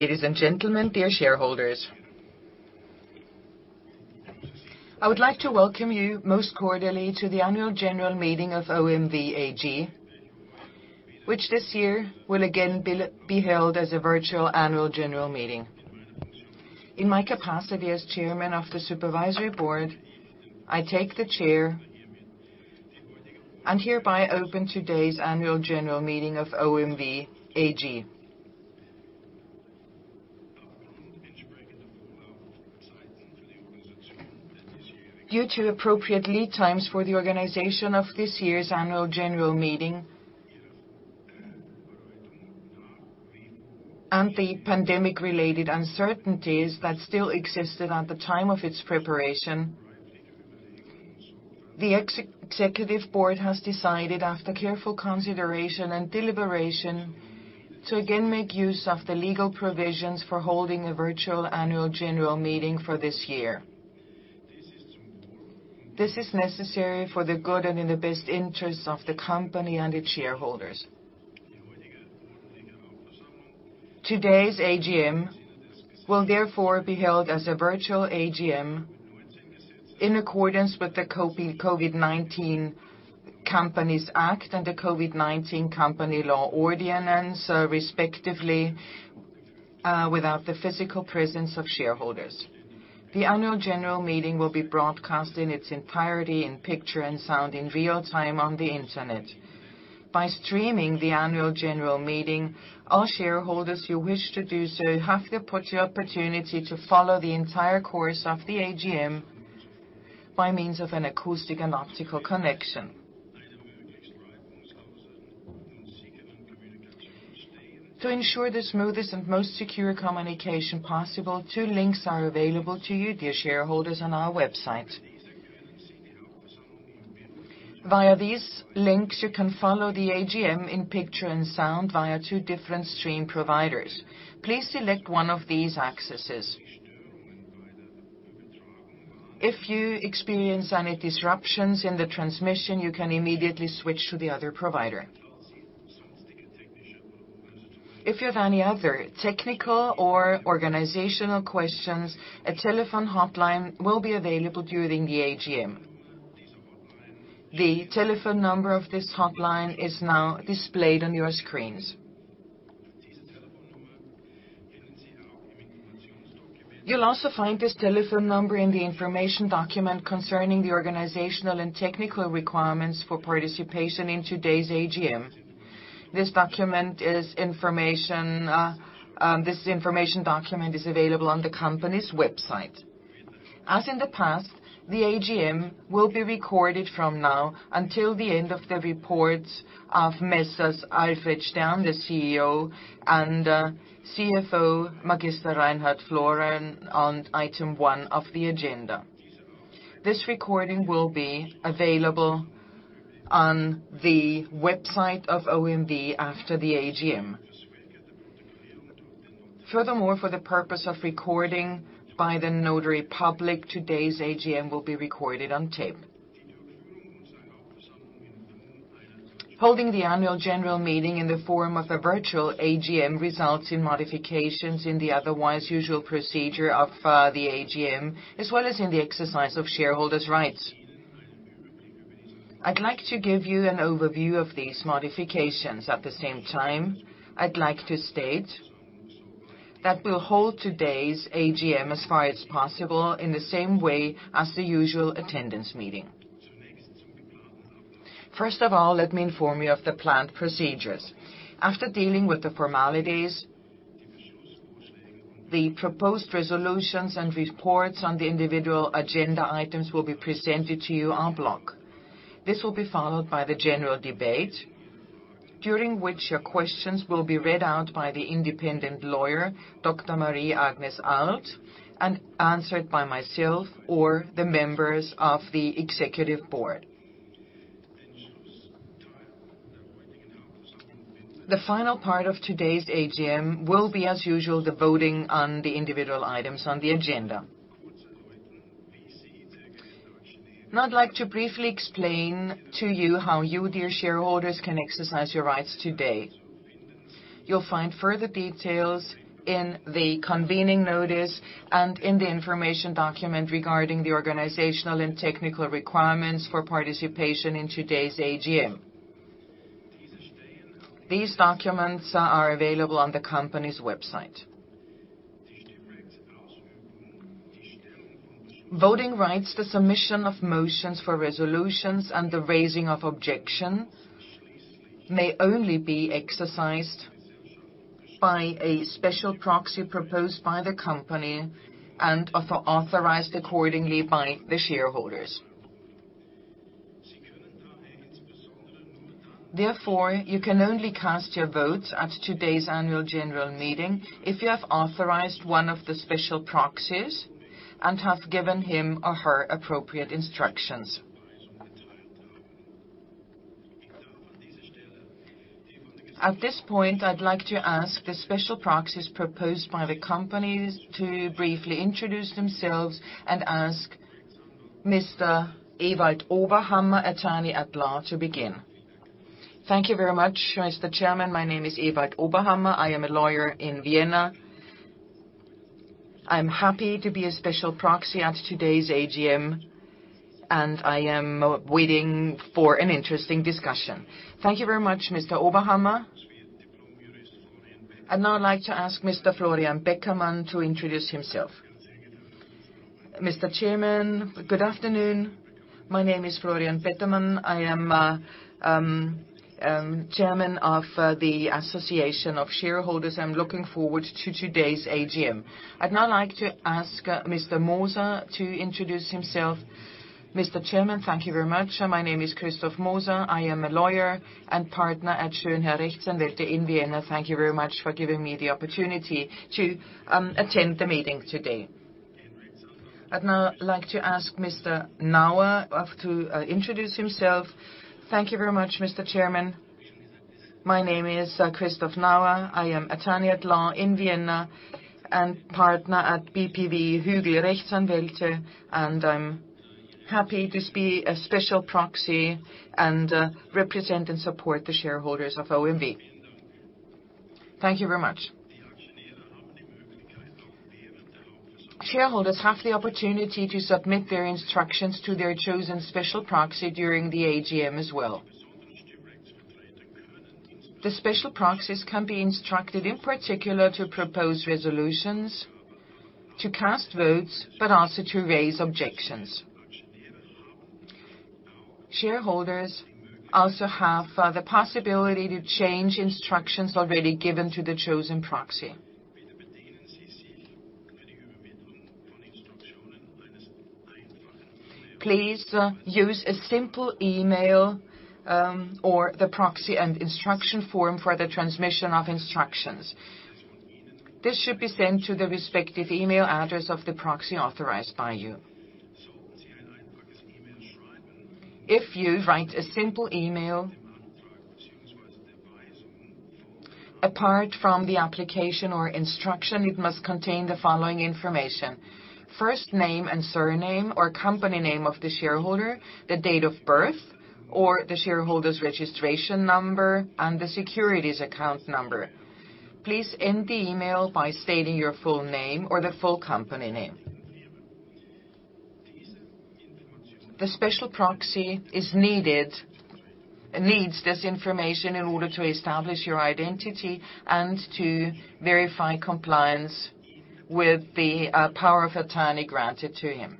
Ladies and gentlemen, dear shareholders. I would like to welcome you most cordially to the annual general meeting of OMV AG, which this year will again be held as a virtual annual general meeting. In my capacity as Chairman of the Supervisory Board, I take the chair and hereby open today's annual general meeting of OMV AG. Due to appropriate lead times for the organization of this year's annual general meeting, and the pandemic-related uncertainties that still existed at the time of its preparation, the Executive Board has decided, after careful consideration and deliberation, to again make use of the legal provisions for holding a virtual annual general meeting for this year. This is necessary for the good and in the best interests of the company and its shareholders. Today's AGM will therefore be held as a virtual AGM in accordance with the COVID-19 Corporate Law Act and the Corporate COVID-19 Decree, respectively, without the physical presence of shareholders. The annual general meeting will be broadcast in its entirety in picture and sound in real-time on the Internet. By streaming the annual general meeting, all shareholders who wish to do so have the opportunity to follow the entire course of the AGM by means of an acoustic and optical connection. To ensure the smoothest and most secure communication possible, two links are available to you, dear shareholders, on our website. Via these links, you can follow the AGM in picture and sound via two different stream providers. Please select one of these accesses. If you experience any disruptions in the transmission, you can immediately switch to the other provider. If you have any other technical or organizational questions, a telephone hotline will be available during the AGM. The telephone number of this hotline is now displayed on your screens. You'll also find this telephone number in the information document concerning the organizational and technical requirements for participation in today's AGM. This information document is available on the company's website. As in the past, the AGM will be recorded from now until the end of the reports of Messrs. Alfred Stern, the CEO, and CFO Magister Reinhard Florey on item one of the agenda. This recording will be available on the website of OMV after the AGM. Furthermore, for the purpose of recording by the notary public, today's AGM will be recorded on tape. Holding the annual general meeting in the form of a virtual AGM results in modifications in the otherwise usual procedure of the AGM, as well as in the exercise of shareholders' rights. I'd like to give you an overview of these modifications. At the same time, I'd like to state that we'll hold today's AGM, as far as possible, in the same way as the usual attendance meeting. First of all, let me inform you of the planned procedures. After dealing with the formalities, the proposed resolutions and reports on the individual agenda items will be presented to you en bloc. This will be followed by the general debate, during which your questions will be read out by the independent lawyer, Dr. Marie-Agnes Arlt, and answered by myself or the members of the executive board. The final part of today's AGM will be, as usual, the voting on the individual items on the agenda. Now I'd like to briefly explain to you how you, dear shareholders, can exercise your rights today. You'll find further details in the convening notice and in the information document regarding the organizational and technical requirements for participation in today's AGM. These documents are available on the company's website. Voting rights, the submission of motions for resolutions, and the raising of objection may only be exercised by a special proxy proposed by the company and authorized accordingly by the shareholders. Therefore, you can only cast your votes at today's annual general meeting if you have authorized one of the special proxies and have given him or her appropriate instructions. At this point, I'd like to ask the special proxies proposed by the company to briefly introduce themselves and ask Mr. Ewald Oberhammer, attorney at law, to begin. Thank you very much, Mr. Chairman. My name is Ewald Oberhammer. I am a lawyer in Vienna. I'm happy to be a special proxy at today's AGM, and I am waiting for an interesting discussion. Thank you very much, Mr. Oberhammer. I'd now like to ask Mr. Florian Beckermann to introduce himself. Mr. Chairman, good afternoon. My name is Florian Beckermann. I am Chairman of the Association of Shareholders. I'm looking forward to today's AGM. I'd now like to ask Mr. Moser to introduce himself. Mr. Chairman, thank you very much, sir. My name is Christoph Moser. I am a lawyer and partner at Schönherr Rechtsanwälte in Vienna. Thank you very much for giving me the opportunity to attend the meeting today. I'd now like to ask Mr. Nauer to introduce himself. Thank you very much, Mr. Chairman My name is Christoph Nauer. I am attorney-at-law in Vienna and partner at bpv Hügel Rechtsanwälte, and I'm happy to be a special proxy and represent and support the shareholders of OMV. Thank you very much. Shareholders have the opportunity to submit their instructions to their chosen special proxy during the AGM as well. The special proxies can be instructed, in particular, to propose resolutions, to cast votes, but also to raise objections. Shareholders also have the possibility to change instructions already given to the chosen proxy. Please use a simple email or the proxy and instruction form for the transmission of instructions. This should be sent to the respective email address of the proxy authorized by you. If you write a simple email Apart from the application or instruction, it must contain the following information: first name and surname or company name of the shareholder, the date of birth or the shareholder's registration number, and the securities account number. Please end the email by stating your full name or the full company name. The special proxy needs this information in order to establish your identity and to verify compliance with the power of attorney granted to him.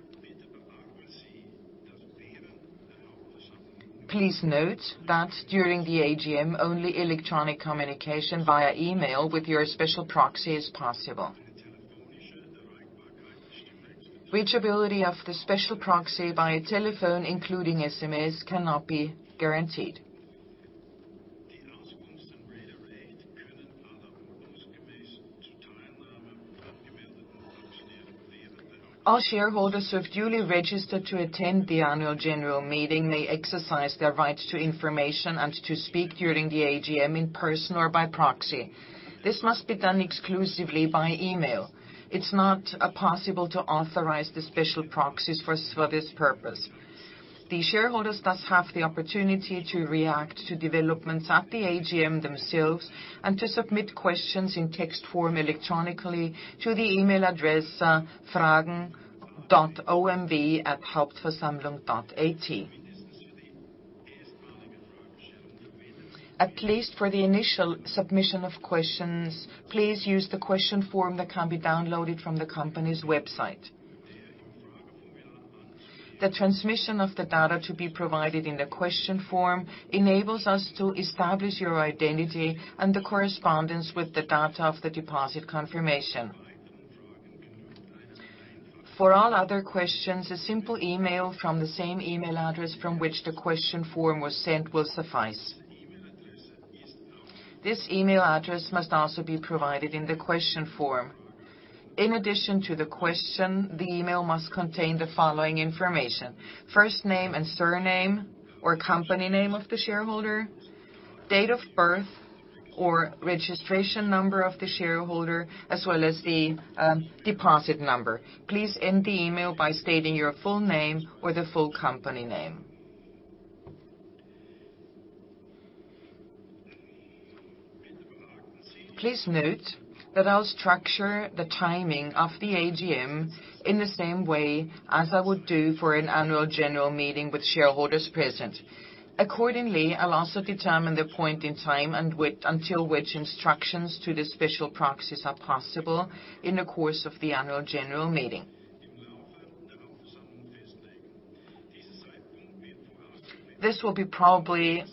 Please note that during the AGM, only electronic communication via email with your special proxy is possible. Reachability of the special proxy via telephone, including SMS, cannot be guaranteed. All shareholders who have duly registered to attend the annual general meeting may exercise their rights to information and to speak during the AGM in person or by proxy. This must be done exclusively by email. It's not possible to authorize the special proxies for this purpose. The shareholders thus have the opportunity to react to developments at the AGM themselves and to submit questions in text form electronically to the email address fragen.omv@hauptversammlung.at. At least for the initial submission of questions, please use the question form that can be downloaded from the company's website. The transmission of the data to be provided in the question form enables us to establish your identity and the correspondence with the data of the deposit confirmation. For all other questions, a simple email from the same email address from which the question form was sent will suffice. This email address must also be provided in the question form. In addition to the question, the email must contain the following information: first name and surname or company name of the shareholder, date of birth or registration number of the shareholder, as well as the deposit number. Please end the email by stating your full name or the full company name. Please note that I'll structure the timing of the AGM in the same way as I would do for an annual general meeting with shareholders present. Accordingly, I'll also determine the point in time and until which instructions to the special proxies are possible in the course of the annual general meeting. This will be probably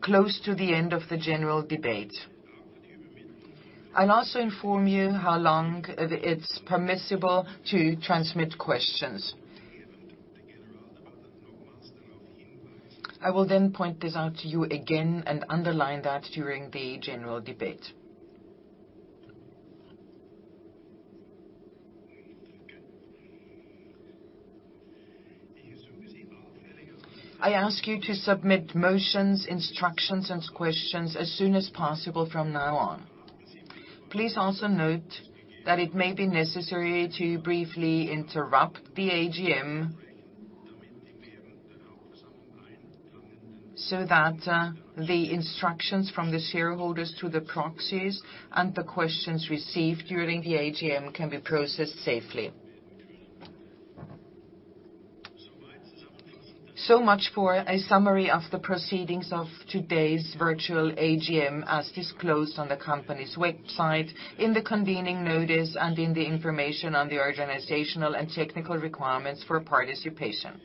close to the end of the general debate. I'll also inform you how long it's permissible to transmit questions. I will then point this out to you again and underline that during the general debate. I ask you to submit motions, instructions, and questions as soon as possible from now on. Please also note that it may be necessary to briefly interrupt the AGM so that the instructions from the shareholders to the proxies and the questions received during the AGM can be processed safely. So much for a summary of the proceedings of today's virtual AGM, as disclosed on the company's website in the convening notice and in the information on the organizational and technical requirements for participation.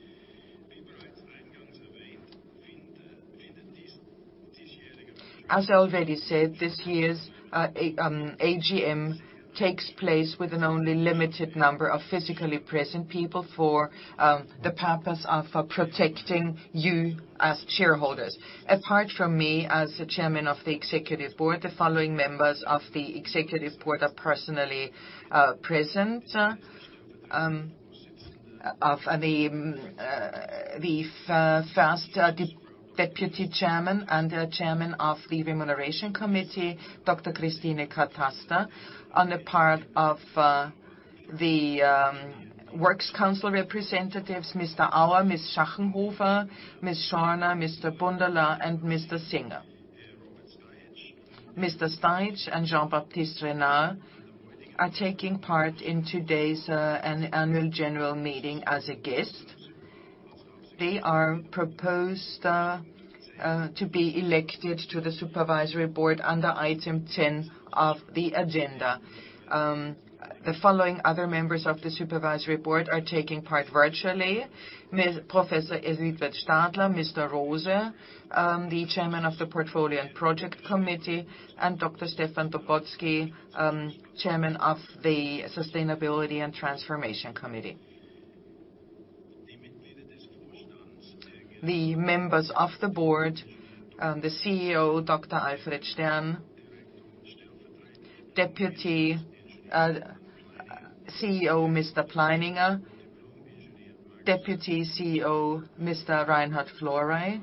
As I already said, this year's AGM takes place with an only limited number of physically present people for the purpose of protecting you as shareholders. Apart from me as the chairman of the executive board, the following members of the executive board are personally present, the first deputy chairman and the chairman of the Remuneration Committee, Dr. Christine Catasta. On the part of the works council representatives, Mr. Auer, Ms. Schachenhofer, Ms. Schörner, Mr. Bundala, and Mr. Singer. Mr. Stajic and Jean-Baptiste Renard are taking part in today's annual general meeting as a guest. They are proposed to be elected to the supervisory board under item 10 of the agenda. The following other members of the supervisory board are taking part virtually: Professor Elisabeth Stadler, Mr. Rose, the chairman of the Portfolio and Project Committee, and Dr. Stefan Topoczky, chairman of the Sustainability and Transformation Committee. The members of the board, the CEO, Dr. Alfred Stern, Deputy CEO, Mr. Johann Pleininger, Deputy CEO, Mr. Reinhard Florey,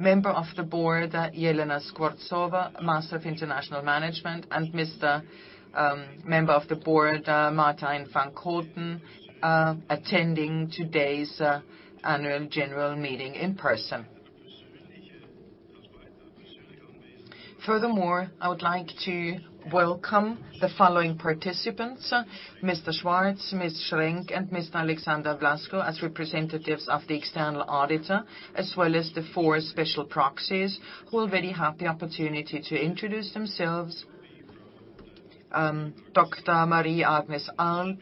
member of the board, Elena Skvortsova, Master of International Management, and Mr. member of the board, Martijn van Koten, attending today's annual general meeting in person. Furthermore, I would like to welcome the following participants, Mr. Schwartz, Ms. Schrenk, and Mr. Alexander Blasko as representatives of the external auditor, as well as the four special proxies who already had the opportunity to introduce themselves. Dr. Marie-Agnes Arlt,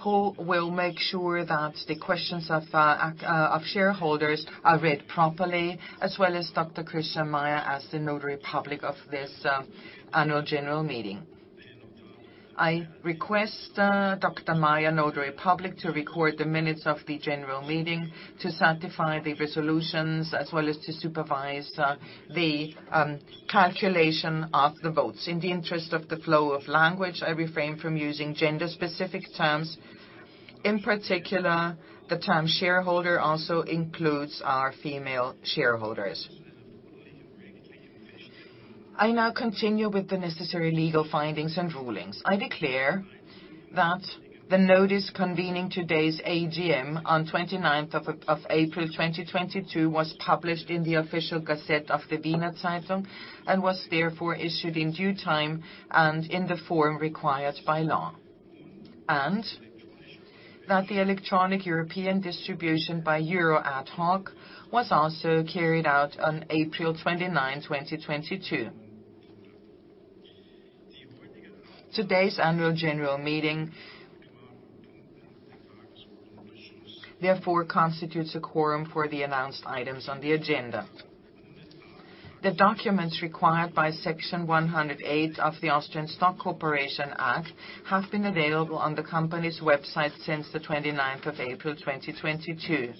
who will make sure that the questions of shareholders are read properly, as well as Dr. Christian Meier as the Notary Public of this annual general meeting. I request Dr. Meier, Notary Public, to record the minutes of the general meeting, to satisfy the resolutions, as well as to supervise the calculation of the votes. In the interest of the flow of language, I refrain from using gender-specific terms. In particular, the term shareholder also includes our female shareholders. I now continue with the necessary legal findings and rulings. I declare that the notice convening today's AGM on 29th of April 2022 was published in the official gazette of the Wiener Zeitung and was therefore issued in due time and in the form required by law. That the electronic European distribution by euro adhoc was also carried out on April 29, 2022. Today's annual general meeting, therefore, constitutes a quorum for the announced items on the agenda. The documents required by Section 108 of the Austrian Stock Corporation Act have been available on the company's website since the 29th of April 2022.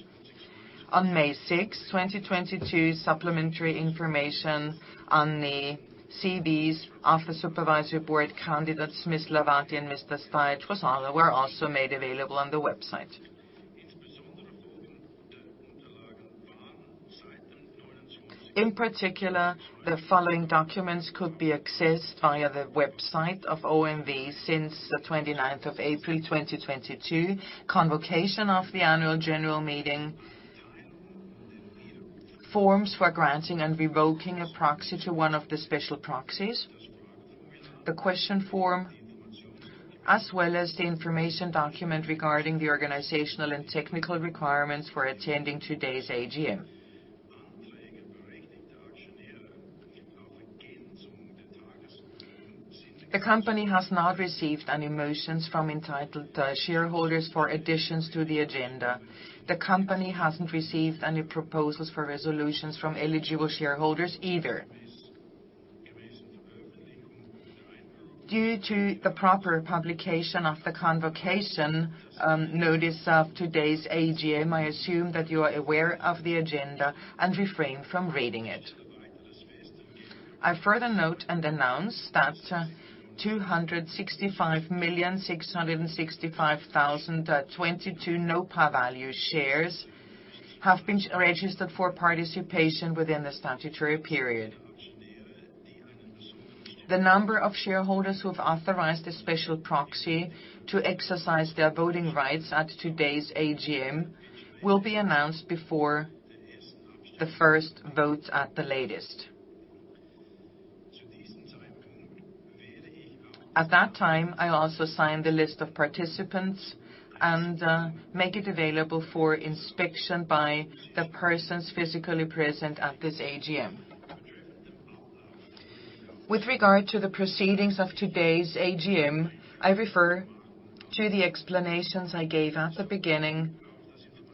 On May 6th, 2022, supplementary information on the CVs of the supervisory board candidates, Ms. Hlawati and Mr. Stajic, were also made available on the website. In particular, the following documents could be accessed via the website of OMV since the 29th of April, 2022. Convocation of the annual general meeting, forms for granting and revoking a proxy to one of the special proxies, the question form, as well as the information document regarding the organizational and technical requirements for attending today's AGM. The company has not received any motions from entitled shareholders for additions to the agenda. The company hasn't received any proposals for resolutions from eligible shareholders either. Due to the proper publication of the convocation notice of today's AGM, I assume that you are aware of the agenda and refrain from reading it. I further note and announce that 265,665,022 no par value shares have been registered for participation within the statutory period. The number of shareholders who have authorized a special proxy to exercise their voting rights at today's AGM will be announced before the first vote at the latest. At that time, I also sign the list of participants and make it available for inspection by the persons physically present at this AGM. With regard to the proceedings of today's AGM, I refer to the explanations I gave at the beginning,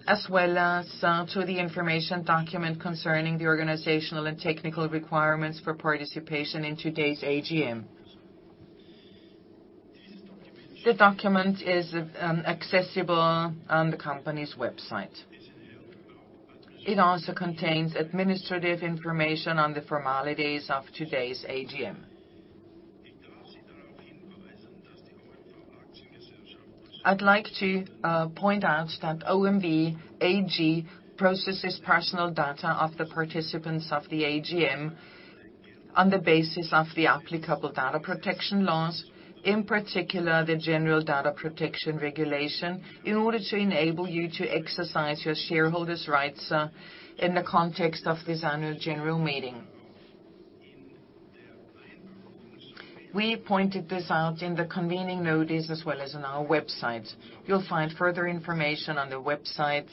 as well as to the information document concerning the organizational and technical requirements for participation in today's AGM. The document is accessible on the company's website. It also contains administrative information on the formalities of today's AGM. I'd like to point out that OMV AG processes personal data of the participants of the AGM on the basis of the applicable data protection laws, in particular, the General Data Protection Regulation, in order to enable you to exercise your shareholders' rights in the context of this annual general meeting. We pointed this out in the convening notice, as well as on our website. You'll find further information on the website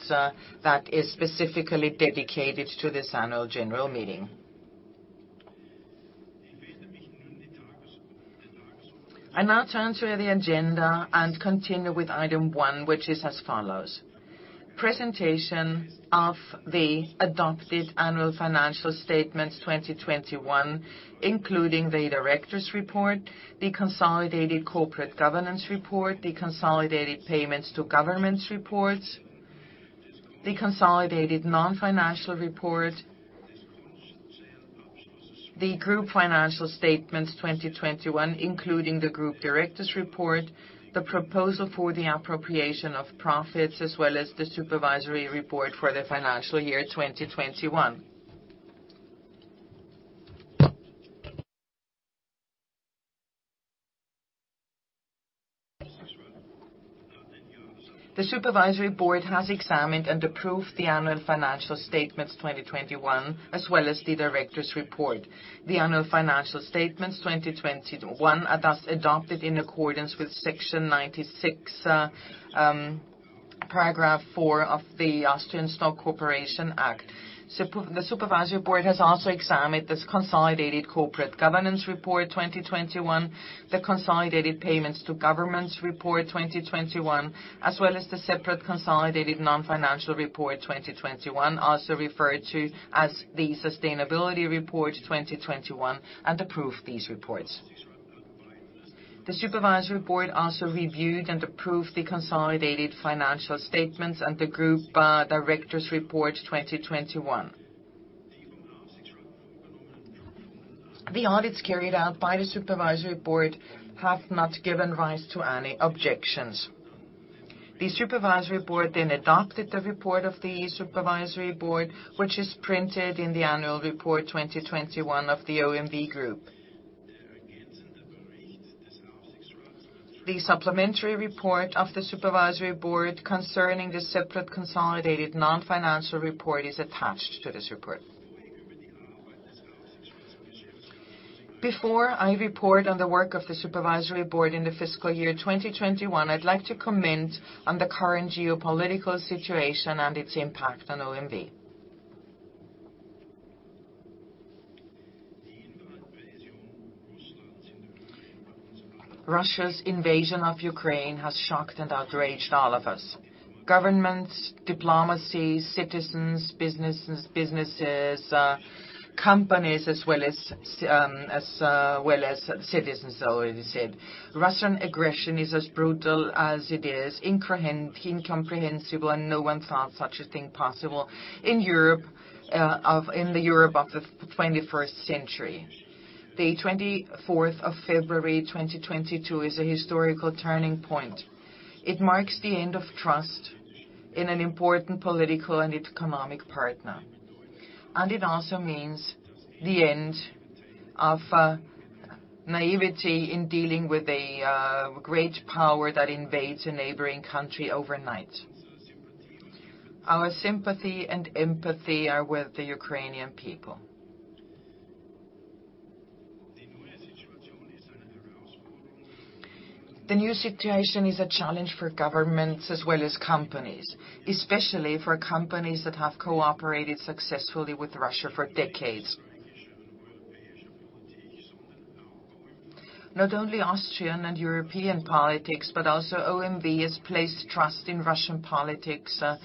that is specifically dedicated to this annual general meeting. I now turn to the agenda and continue with item one, which is as follows: Presentation of the adopted annual financial statements 2021, including the directors' report, the consolidated corporate governance report, the consolidated payments to governments reports, the consolidated non-financial report, the group financial statements 2021, including the group directors' report, the proposal for the appropriation of profits, as well as the supervisory report for the financial year 2021. The supervisory board has examined and approved the annual financial statements 2021, as well as the directors' report. The annual financial statements 2021 are thus adopted in accordance with Section 96, paragraph four of the Austrian Stock Corporation Act. The supervisory board has also examined the consolidated corporate governance report 2021, the consolidated payments to governments report 2021, as well as the separate consolidated non-financial report 2021, also referred to as the Sustainability Report 2021, and approved these reports. The supervisory board also reviewed and approved the consolidated financial statements and the group directors' report 2021. The audits carried out by the supervisory board have not given rise to any objections. The supervisory board then adopted the report of the supervisory board, which is printed in the annual report 2021 of the OMV Group. The supplementary report of the supervisory board concerning the separate consolidated non-financial report is attached to this report. Before I report on the work of the supervisory board in the fiscal year 2021, I'd like to comment on the current geopolitical situation and its impact on OMV. Russia's invasion of Ukraine has shocked and outraged all of us, governments, diplomacy, citizens, businesses, companies, as well as citizens, I already said. Russian aggression is as brutal as it is incomprehensible, and no one thought such a thing possible in the Europe of the twenty-first century. The 24th of February, 2022 is a historical turning point. It marks the end of trust in an important political and economic partner, and it also means the end of naivety in dealing with a great power that invades a neighboring country overnight. Our sympathy and empathy are with the Ukrainian people. The new situation is a challenge for governments as well as companies, especially for companies that have cooperated successfully with Russia for decades. Not only Austrian and European politics, but also OMV has placed trust in Russian politics that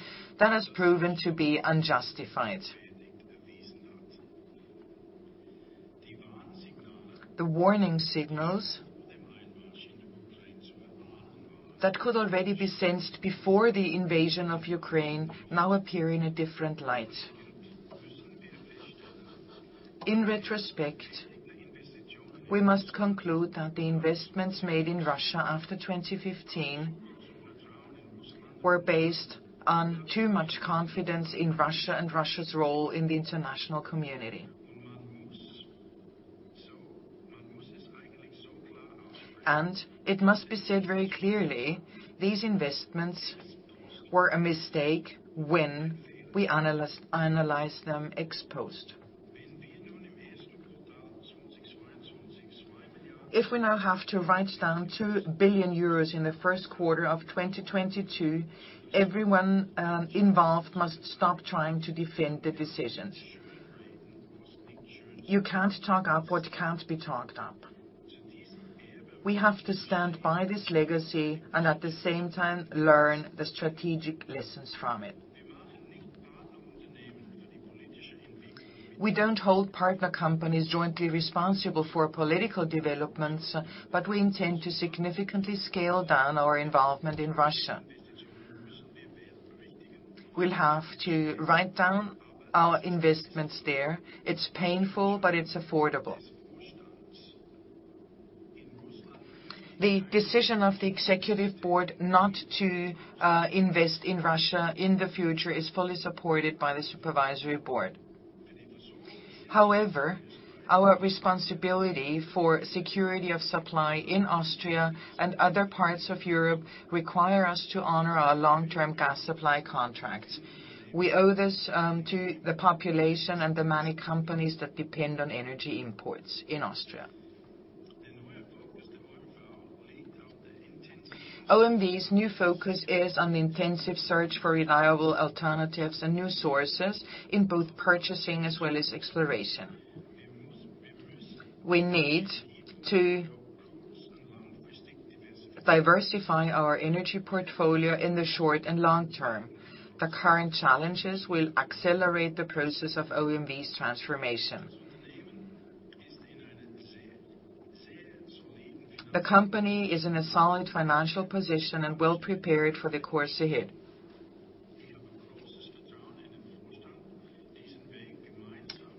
has proven to be unjustified. The warning signals that could already be sensed before the invasion of Ukraine now appear in a different light. In retrospect, we must conclude that the investments made in Russia after 2015 were based on too much confidence in Russia and Russia's role in the international community. It must be said very clearly, these investments were a mistake when we analyze them ex-post. If we now have to write down 2 billion euros in the first quarter of 2022, everyone involved must stop trying to defend the decisions. You can't talk up what can't be talked up. We have to stand by this legacy and at the same time learn the strategic lessons from it. We don't hold partner companies jointly responsible for political developments, but we intend to significantly scale down our involvement in Russia. We'll have to write down our investments there. It's painful, but it's affordable. The decision of the executive board not to invest in Russia in the future is fully supported by the supervisory board. However, our responsibility for security of supply in Austria and other parts of Europe require us to honor our long-term gas supply contracts. We owe this to the population and the many companies that depend on energy imports in Austria. OMV's new focus is on the intensive search for reliable alternatives and new sources in both purchasing as well as exploration. We need to diversify our energy portfolio in the short and long term. The current challenges will accelerate the process of OMV's transformation. The company is in a solid financial position and well prepared for the course ahead.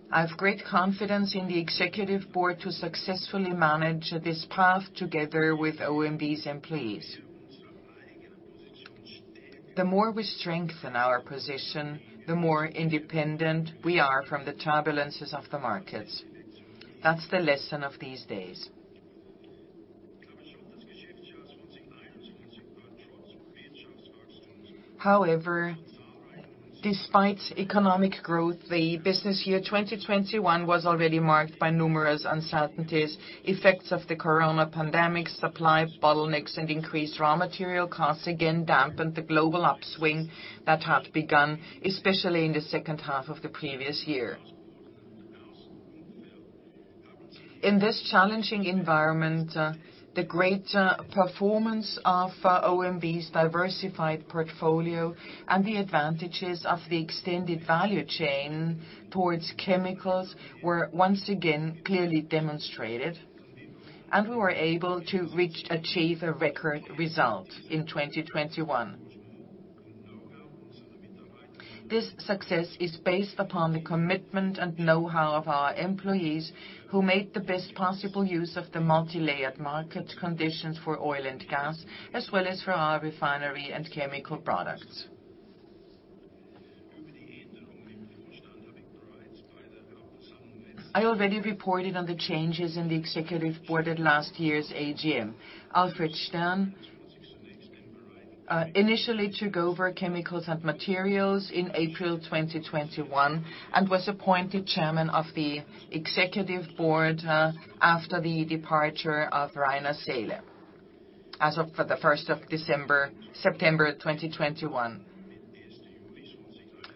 I have great confidence in the executive board to successfully manage this path together with OMV's employees. The more we strengthen our position, the more independent we are from the turbulences of the markets. That's the lesson of these days. However, despite economic growth, the business year 2021 was already marked by numerous uncertainties. Effects of the Corona pandemic, supply bottlenecks, and increased raw material costs again dampened the global upswing that had begun, especially in the second half of the previous year. In this challenging environment, the great performance of OMV's diversified portfolio and the advantages of the extended value chain towards chemicals were once again clearly demonstrated, and we were able to achieve a record result in 2021. This success is based upon the commitment and know-how of our employees, who made the best possible use of the multilayered market conditions for oil and gas, as well as for our refinery and chemical products. I already reported on the changes in the executive board at last year's AGM. Alfred Stern initially took over Chemicals and Materials in April 2021 and was appointed Chairman of the Executive Board after the departure of Rainer Seele as of the 1st of September 2021.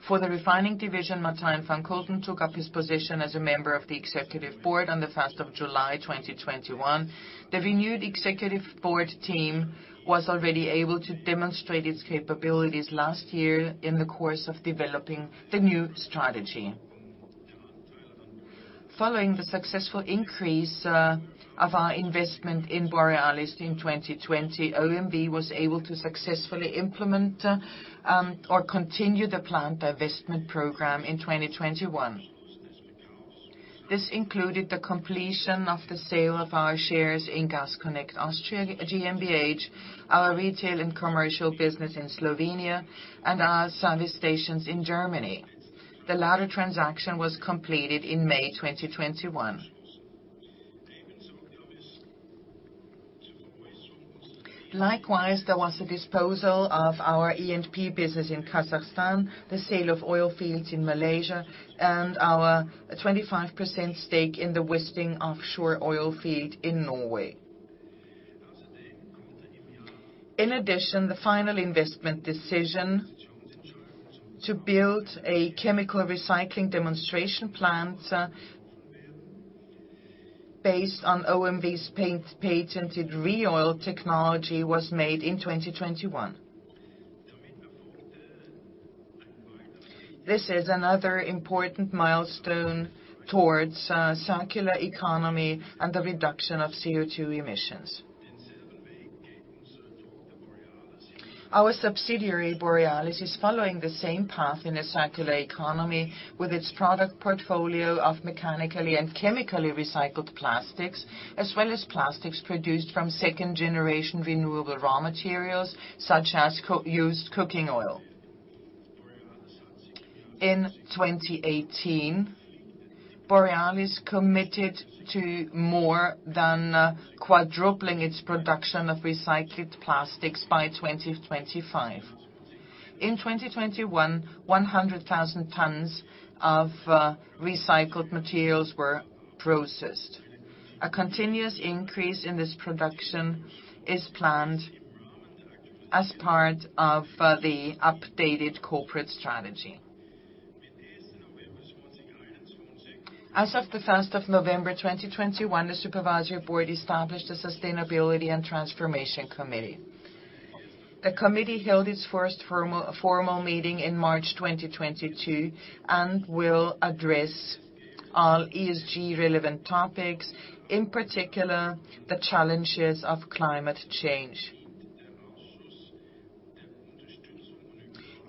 For the Refining division, Martijn van Koten took up his position as a member of the executive board on the first of July 2021. The renewed executive board team was already able to demonstrate its capabilities last year in the course of developing the new strategy. Following the successful increase of our investment in Borealis in 2020, OMV was able to successfully implement or continue the planned divestment program in 2021. This included the completion of the sale of our shares in Gas Connect Austria GmbH, our retail and commercial business in Slovenia, and our service stations in Germany. The latter transaction was completed in May 2021. Likewise, there was a disposal of our E&P business in Kazakhstan, the sale of oil fields in Malaysia, and our 25% stake in the Wisting offshore oil field in Norway. In addition, the final investment decision to build a chemical recycling demonstration plant based on OMV's patented ReOil technology was made in 2021. This is another important milestone towards circular economy and the reduction of CO2 emissions. Our subsidiary, Borealis, is following the same path in a circular economy with its product portfolio of mechanically and chemically recycled plastics, as well as plastics produced from second-generation renewable raw materials, such as used cooking oil. In 2018, Borealis committed to more than quadrupling its production of recycled plastics by 2025. In 2021, 100,000 tons of recycled materials were processed. A continuous increase in this production is planned as part of the updated corporate strategy. As of1st of November, 2021, the Supervisory Board established a Sustainability and Transformation Committee. The committee held its first formal meeting in March 2022, and will address all ESG-relevant topics, in particular, the challenges of climate change.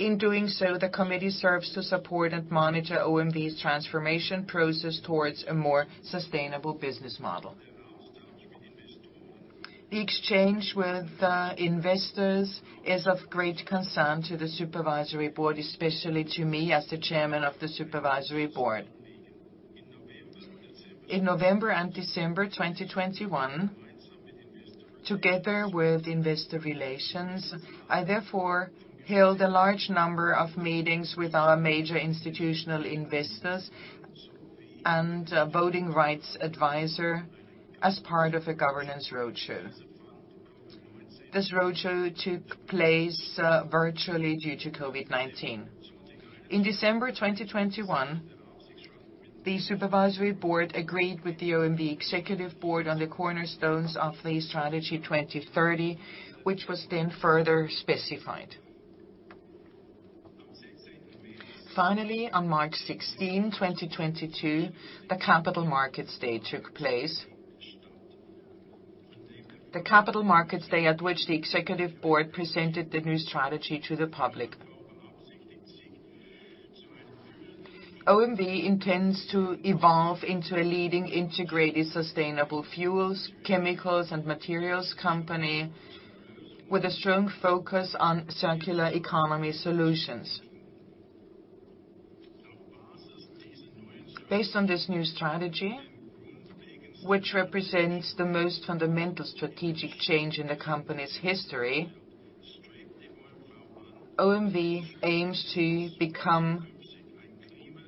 In doing so, the committee serves to support and monitor OMV's transformation process towards a more sustainable business model. The exchange with investors is of great concern to the Supervisory Board, especially to me, as the Chairman of the Supervisory Board. In November and December 2021, together with investor relations, I therefore held a large number of meetings with our major institutional investors and a voting rights advisor as part of a governance roadshow. This roadshow took place virtually due to COVID-19. In December 2021, the Supervisory Board agreed with the OMV Executive Board on the cornerstones of the Strategy 2030, which was then further specified. Finally, on March 16, 2022, the Capital Markets Day took place. The Capital Markets Day, at which the Executive Board presented the new strategy to the public. OMV intends to evolve into a leading, integrated, sustainable fuels, chemicals, and materials company with a strong focus on circular economy solutions. Based on this new strategy, which represents the most fundamental strategic change in the company's history, OMV aims to become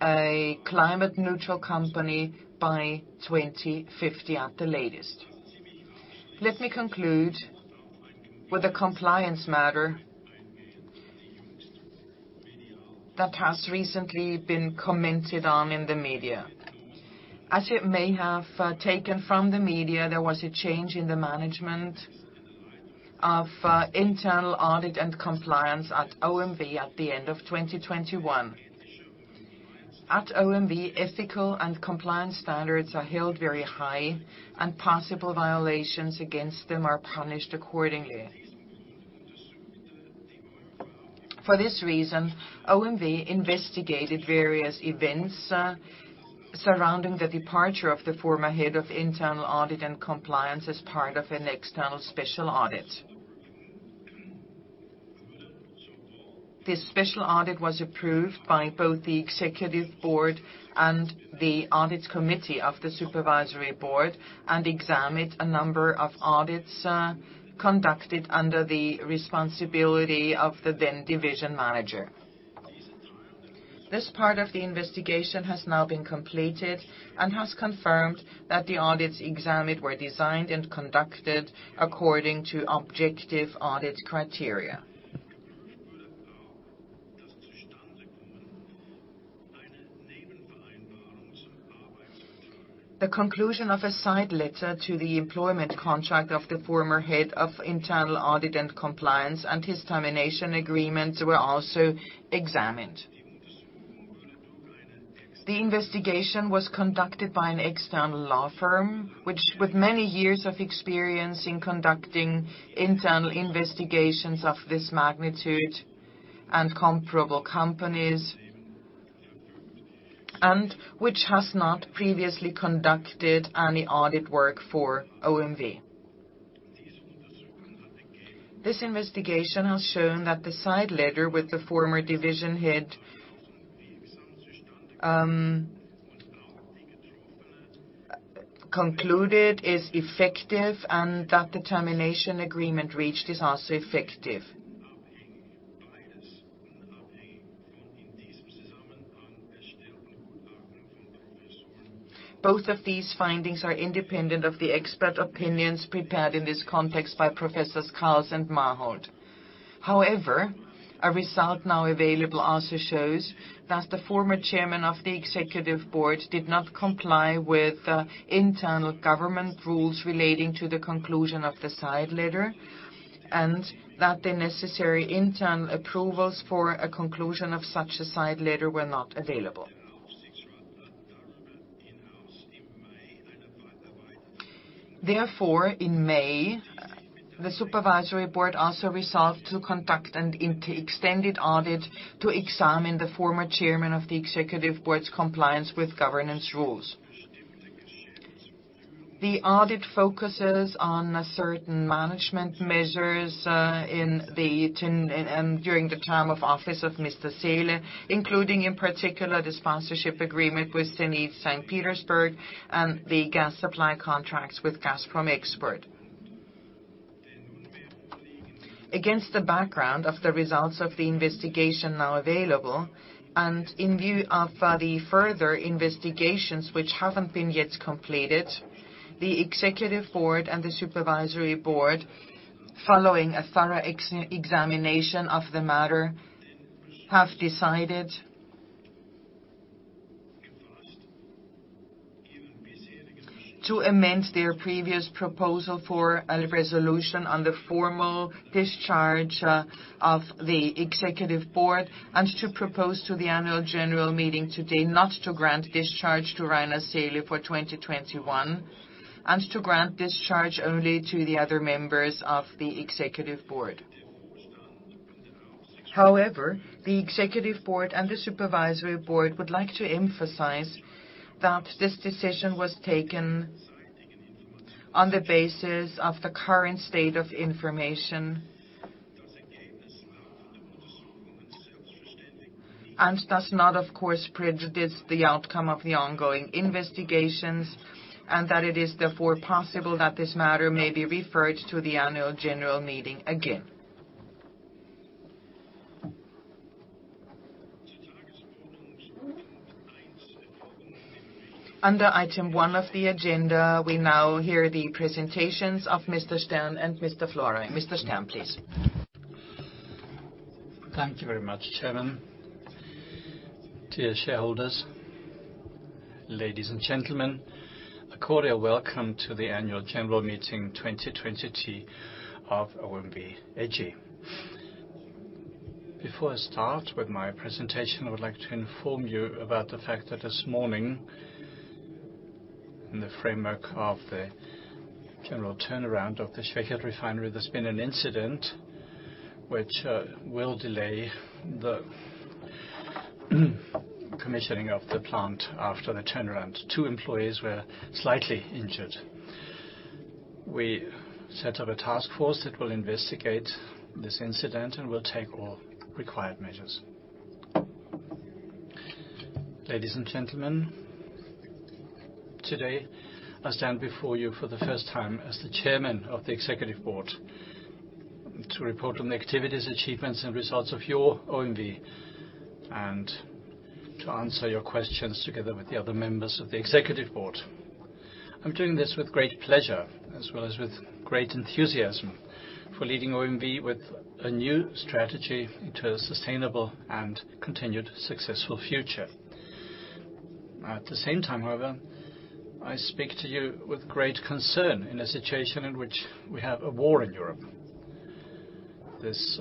a climate-neutral company by 2050 at the latest. Let me conclude with a compliance matter that has recently been commented on in the media. As you may have taken from the media, there was a change in the management of internal audit and compliance at OMV at the end of 2021. At OMV, ethical and compliance standards are held very high, and possible violations against them are punished accordingly. For this reason, OMV investigated various events surrounding the departure of the former Head of Internal Audit and Compliance as part of an external special audit. This special audit was approved by both the Executive Board and the Audit Committee of the Supervisory Board, and examined a number of audits, conducted under the responsibility of the then division manager. This part of the investigation has now been completed and has confirmed that the audits examined were designed and conducted according to objective audit criteria. The conclusion of a side letter to the employment contract of the former Head of Internal Audit and Compliance and his termination agreement were also examined. The investigation was conducted by an external law firm, which, with many years of experience in conducting internal investigations of this magnitude and comparable companies, and which has not previously conducted any audit work for OMV. This investigation has shown that the side letter with the former division head, concluded is effective and that the termination agreement reached is also effective. Both of these findings are independent of the expert opinions prepared in this context by Professors Kals and Marhold. However, a result now available also shows that the former Chairman of the Executive Board did not comply with the internal governance rules relating to the conclusion of the side letter and that the necessary internal approvals for a conclusion of such a side letter were not available. Therefore, in May, the Supervisory Board also resolved to conduct an extended audit to examine the former Chairman of the Executive Board's compliance with governance rules. The audit focuses on certain management measures during the time of office of Mr. Seele, including, in particular, the sponsorship agreement with Zenit Saint Petersburg and the gas supply contracts with Gazprom Export. Against the background of the results of the investigation now available, and in view of the further investigations which haven't been yet completed, the executive board and the supervisory board, following a thorough examination of the matter, have decided to amend their previous proposal for a resolution on the formal discharge of the executive board and to propose to the annual general meeting today not to grant discharge to Rainer Seele for 2021, and to grant discharge only to the other members of the executive board. However, the executive board and the supervisory board would like to emphasize that this decision was taken on the basis of the current state of information and does not, of course, prejudice the outcome of the ongoing investigations, and that it is therefore possible that this matter may be referred to the annual general meeting again. Under item one of the agenda, we now hear the presentations of Mr. Stern and Mr. Florey. Mr. Stern, please. Thank you very much, Chairman. Dear shareholders, ladies and gentlemen, a cordial welcome to the annual general meeting 2020 of OMV AG. Before I start with my presentation, I would like to inform you about the fact that this morning, in the framework of the general turnaround of the Schwechat Refinery, there's been an incident which will delay the commissioning of the plant after the turnaround. Two employees were slightly injured. We set up a task force that will investigate this incident, and we'll take all required measures. Ladies and gentlemen, today, I stand before you for the first time as the Chairman of the Executive Board to report on the activities, achievements, and results of your OMV, and to answer your questions together with the other members of the executive board. I'm doing this with great pleasure as well as with great enthusiasm for leading OMV with a new strategy into a sustainable and continued successful future. At the same time, however, I speak to you with great concern in a situation in which we have a war in Europe. This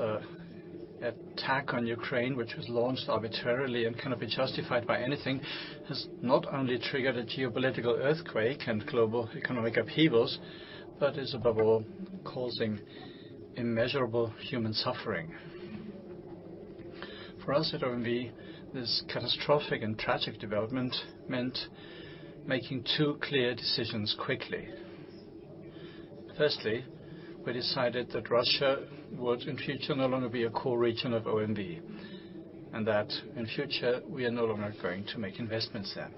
attack on Ukraine, which was launched arbitrarily and cannot be justified by anything, has not only triggered a geopolitical earthquake and global economic upheavals, but is, above all, causing immeasurable human suffering. For us at OMV, this catastrophic and tragic development meant making two clear decisions quickly. Firstly, we decided that Russia would, in future, no longer be a core region of OMV, and that, in future, we are no longer going to make investments there.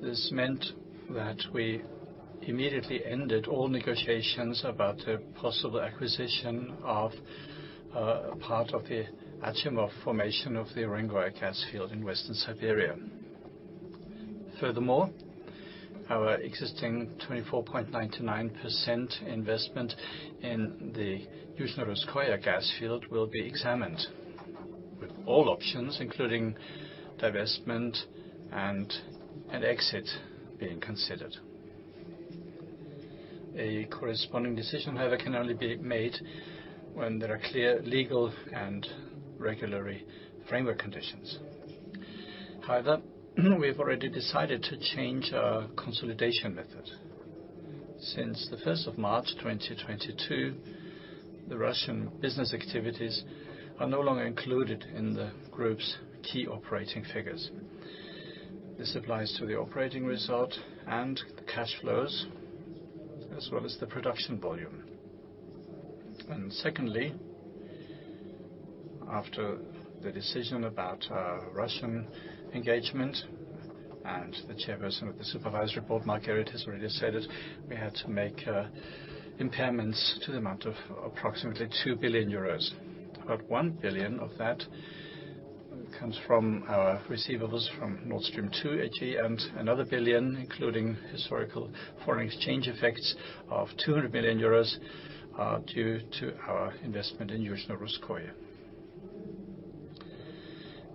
This meant that we immediately ended all negotiations about the possible acquisition of a part of the Achimov Formation of the Urengoy gas field in Western Siberia. Furthermore, our existing 24.99% investment in the Yuzhno Russkoye gas field will be examined, with all options, including divestment and an exit being considered. A corresponding decision, however, can only be made when there are clear legal and regulatory framework conditions. However, we have already decided to change our consolidation method. Since the 1st of March 2022, the Russian business activities are no longer included in the group's key operating figures. This applies to the operating result and the cash flows, as well as the production volume. Secondly, after the decision about our Russian engagement, and the chairperson of the supervisory board, Mark Garrett, has already said it, we had to make impairments to the amount of approximately 2 billion euros. About 1 billion of that comes from our receivables from Nord Stream 2 AG and another 1 billion, including historical foreign exchange effects of 200 million euros, due to our investment in Yuzhno Russkoye.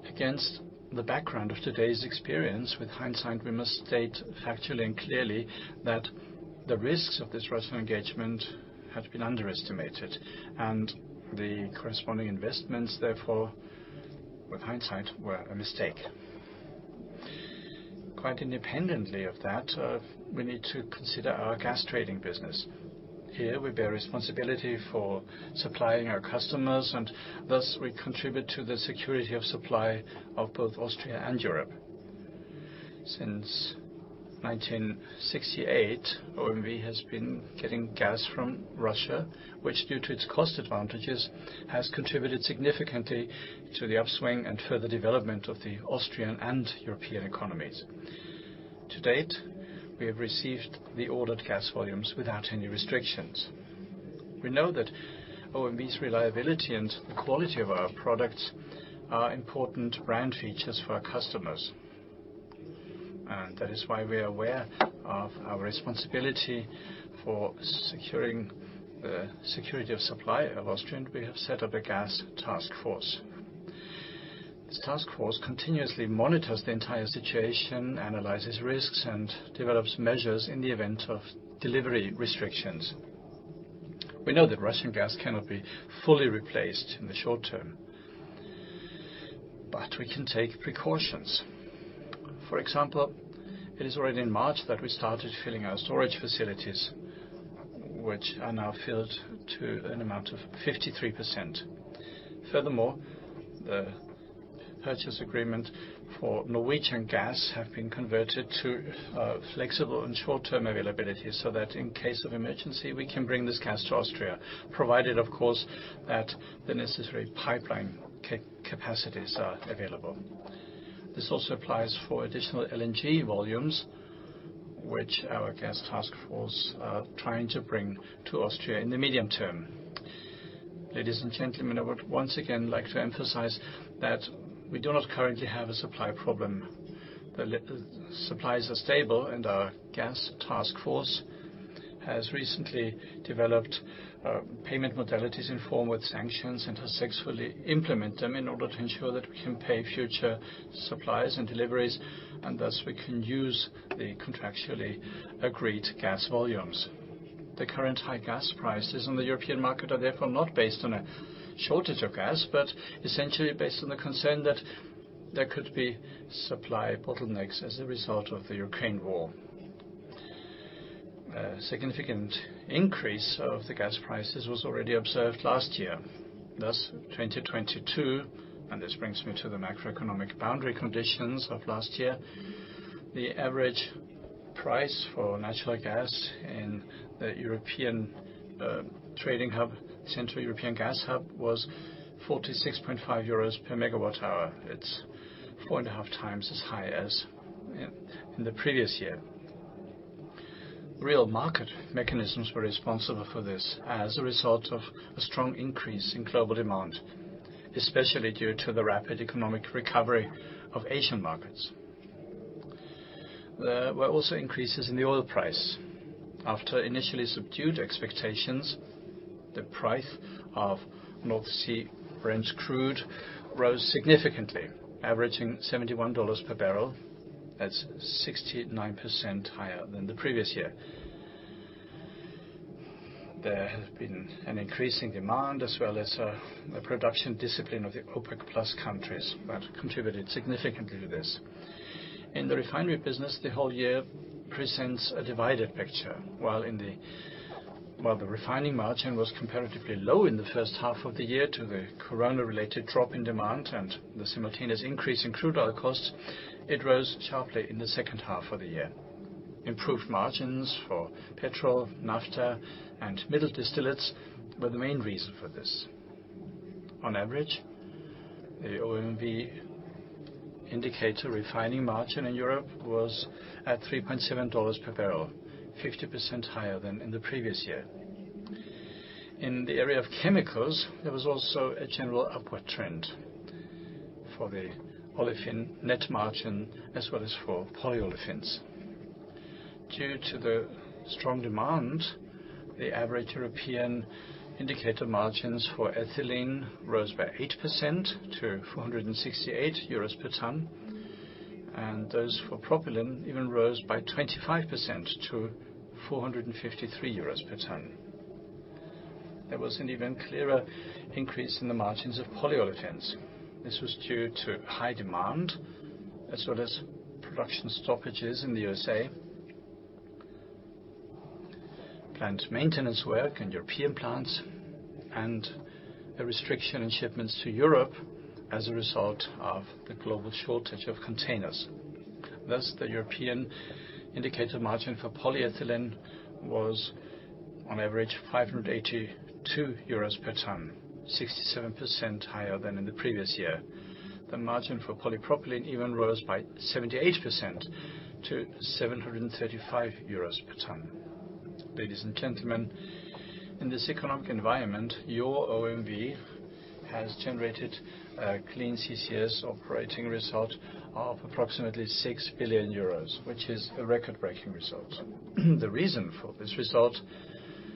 Against the background of today's experience, with hindsight, we must state factually and clearly that the risks of this Russian engagement had been underestimated, and the corresponding investments, therefore, with hindsight, were a mistake. Quite independently of that, we need to consider our gas trading business. Here, we bear responsibility for supplying our customers, and thus we contribute to the security of supply of both Austria and Europe. Since 1968, OMV has been getting gas from Russia, which due to its cost advantages, has contributed significantly to the upswing and further development of the Austrian and European economies. To date, we have received the ordered gas volumes without any restrictions. We know that OMV's reliability and the quality of our products are important brand features for our customers. That is why we are aware of our responsibility for securing the security of supply of Austria, and we have set up a gas task force. This task force continuously monitors the entire situation, analyzes risks, and develops measures in the event of delivery restrictions. We know that Russian gas cannot be fully replaced in the short term, but we can take precautions. For example, it is already in March that we started filling our storage facilities, which are now filled to an amount of 53%. Furthermore, the purchase agreement for Norwegian gas has been converted to flexible and short-term availability so that in case of emergency, we can bring this gas to Austria, provided, of course, that the necessary pipeline capacities are available. This also applies for additional LNG volumes, which our gas task force is trying to bring to Austria in the medium term. Ladies and gentlemen, I would once again like to emphasize that we do not currently have a supply problem. The supplies are stable and our gas task force has recently developed payment modalities in line with sanctions and has successfully implemented them in order to ensure that we can pay for future supplies and deliveries, and thus we can use the contractually agreed gas volumes. The current high gas prices in the European market are therefore not based on a shortage of gas, but essentially based on the concern that there could be supply bottlenecks as a result of the Ukraine war. A significant increase of the gas prices was already observed last year. Thus 2022, and this brings me to the macroeconomic boundary conditions of last year. The average price for natural gas in the European trading hub, Central European Gas Hub, was 46.5 euros per megawatt hour. It's 4.5 times as high as in the previous year. Real market mechanisms were responsible for this as a result of a strong increase in global demand, especially due to the rapid economic recovery of Asian markets. There were also increases in the oil price. After initially subdued expectations, the price of North Sea Brent Crude rose significantly, averaging $71 per barrel. That's 69% higher than the previous year. There has been an increasing demand as well as a production discipline of the OPEC+ countries that contributed significantly to this. In the refinery business, the whole year presents a divided picture, while the refining margin was comparatively low in the first half of the year due to the corona-related drop in demand and the simultaneous increase in crude oil costs, it rose sharply in the second half of the year. Improved margins for petrol, naphtha, and middle distillates were the main reason for this. On average, the OMV indicator refining margin in Europe was at $3.7 per barrel, 50% higher than in the previous year. In the area of chemicals, there was also a general upward trend for the Olefin net margin, as well as for polyolefins. Due to the strong demand, the average European indicator margins for ethylene rose by 8% to 468 euros per ton, and those for propylene even rose by 25% to 453 euros per ton. There was an even clearer increase in the margins of polyolefins. This was due to high demand as well as production stoppages in the USA, planned maintenance work in European plants, and a restriction in shipments to Europe as a result of the global shortage of containers. Thus, the European indicator margin for polyethylene was on average 582 euros per ton, 67% higher than in the previous year. The margin for polypropylene even rose by 78% to 735 euros per ton. Ladies and gentlemen, in this economic environment, your OMV has generated a clean CCS operating result of approximately 6 billion euros, which is a record-breaking result. The reason for this result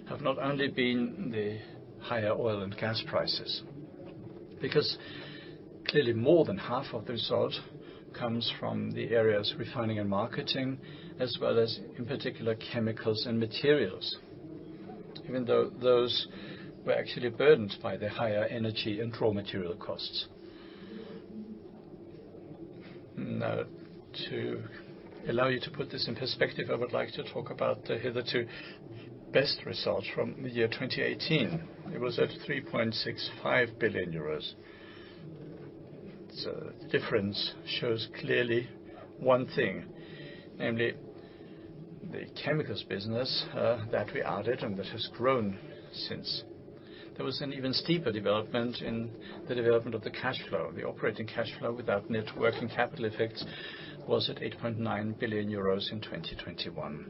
have not only been the higher oil and gas prices, because clearly more than half of the result comes from the areas refining and marketing, as well as in particular, chemicals and materials. Even though those were actually burdened by the higher energy and raw material costs. Now, to allow you to put this in perspective, I would like to talk about the hitherto best results from the year 2018. It was at 3.65 billion euros. The difference shows clearly one thing, namely the chemicals business, that we added and that has grown since. There was an even steeper development of the cash flow. The operating cash flow without net working capital effects was at 8.9 billion euros in 2021.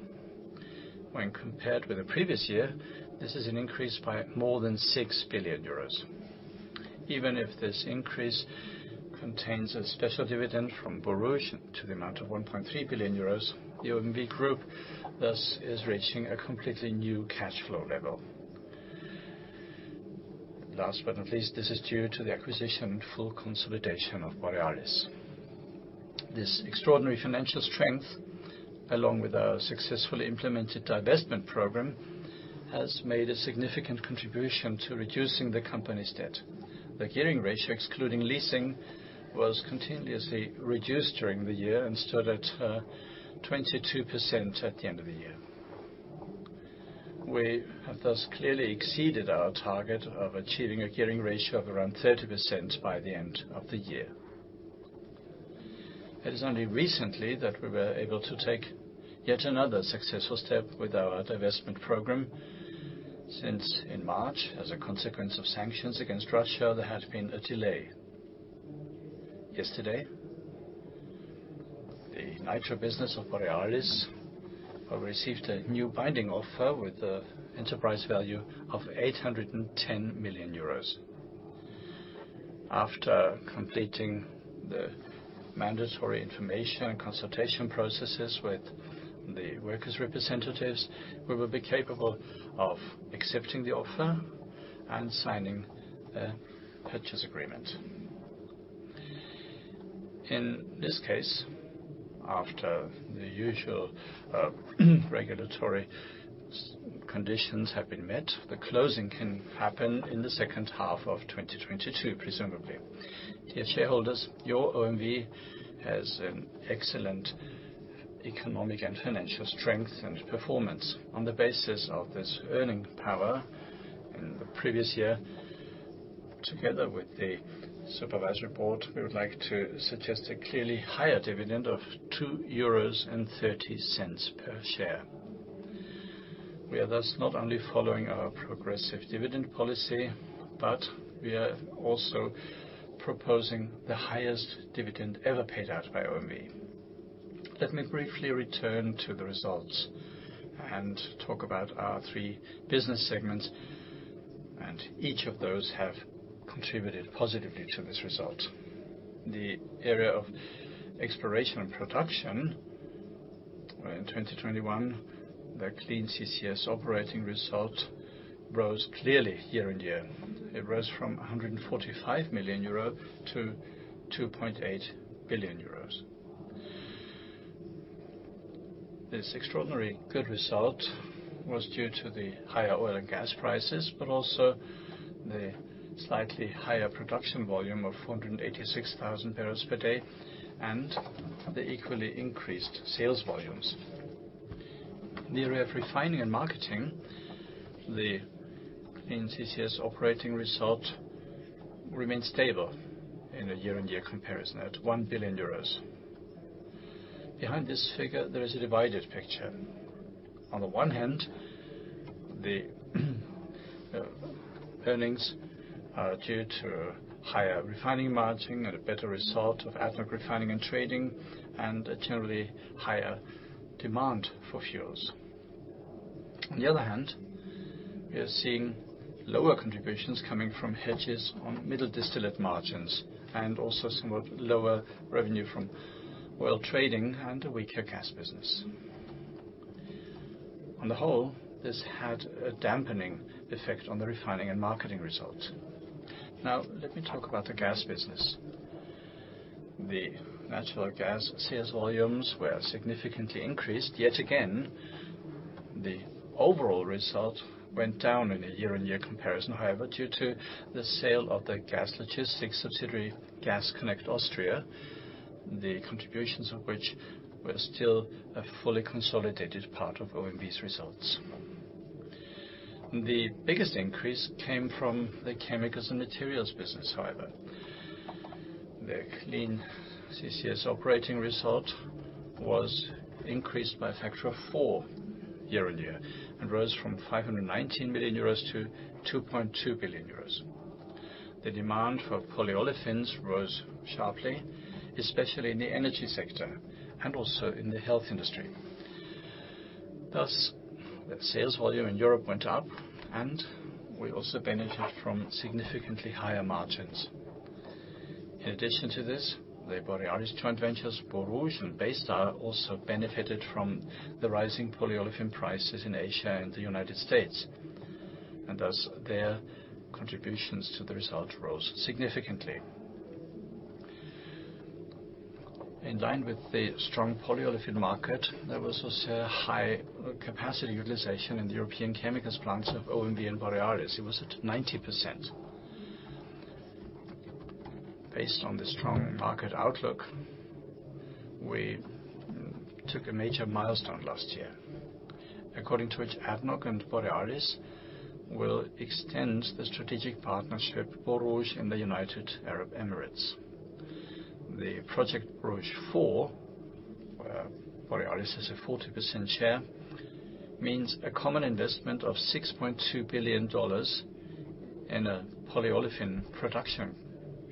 When compared with the previous year, this is an increase by more than 6 billion euros. Even if this increase contains a special dividend from Borouge to the amount of 1.3 billion euros, the OMV group thus is reaching a completely new cash flow level. Last but not least, this is due to the acquisition and full consolidation of Borealis. This extraordinary financial strength, along with our successfully implemented divestment program, has made a significant contribution to reducing the company's debt. The gearing ratio, excluding leasing, was continuously reduced during the year and stood at 22% at the end of the year. We have thus clearly exceeded our target of achieving a gearing ratio of around 30% by the end of the year. It is only recently that we were able to take yet another successful step with our divestment program since in March, as a consequence of sanctions against Russia, there had been a delay. Yesterday, the Nitrogen business of Borealis received a new binding offer with the enterprise value of 810 million euros. After completing the mandatory information and consultation processes with the workers' representatives, we will be capable of accepting the offer and signing a purchase agreement. In this case, after the usual regulatory conditions have been met, the closing can happen in the second half of 2022, presumably. Dear shareholders, your OMV has an excellent economic and financial strength and performance. On the basis of this earning power in the previous year, together with the Supervisory Board, we would like to suggest a clearly higher dividend of 2.30 euros per share. We are thus not only following our progressive dividend policy, but we are also proposing the highest dividend ever paid out by OMV. Let me briefly return to the results and talk about our three business segments, and each of those have contributed positively to this result. The area of exploration and production, where in 2021, the Clean CCS operating result rose clearly year-on-year. It rose from 145 million euro to 2.8 billion euros. This extraordinarily good result was due to the higher oil and gas prices, but also the slightly higher production volume of 486,000 barrels per day and the equally increased sales volumes. In the area of refining and marketing, the Clean CCS operating result remained stable in a year-on-year comparison at 1 billion euros. Behind this figure, there is a divided picture. On the one hand, the earnings are due to higher refining margin and a better result of ethanol refining and trading and a generally higher demand for fuels. On the other hand, we are seeing lower contributions coming from hedges on middle distillate margins and also somewhat lower revenue from oil trading and a weaker gas business. On the whole, this had a dampening effect on the refining and marketing results. Now, let me talk about the gas business. The natural gas sales volumes were significantly increased. Yet again, the overall result went down in a year-on-year comparison, however, due to the sale of the gas logistics subsidiary, Gas Connect Austria, the contributions of which were still a fully consolidated part of OMV's results. The biggest increase came from the chemicals and materials business, however. The C&M operating result was increased by a factor of four year-on-year and rose from 519 million euros to 2.2 billion euros. The demand for polyolefins rose sharply, especially in the energy sector and also in the health industry. Thus, the sales volume in Europe went up and we also benefit from significantly higher margins. In addition to this, the Borealis joint ventures, Borouge and Baystar, also benefited from the rising polyolefin prices in Asia and the United States, and thus their contributions to the result rose significantly. In line with the strong polyolefin market, there was also high capacity utilization in the European chemicals plants of OMV and Borealis. It was at 90%. Based on the strong market outlook, we took a major milestone last year, according to which ADNOC and Borealis will extend the strategic partnership Borouge in the United Arab Emirates. The project Borouge 4, Borealis has a 40% share, means a common investment of $6.2 billion in a polyolefin production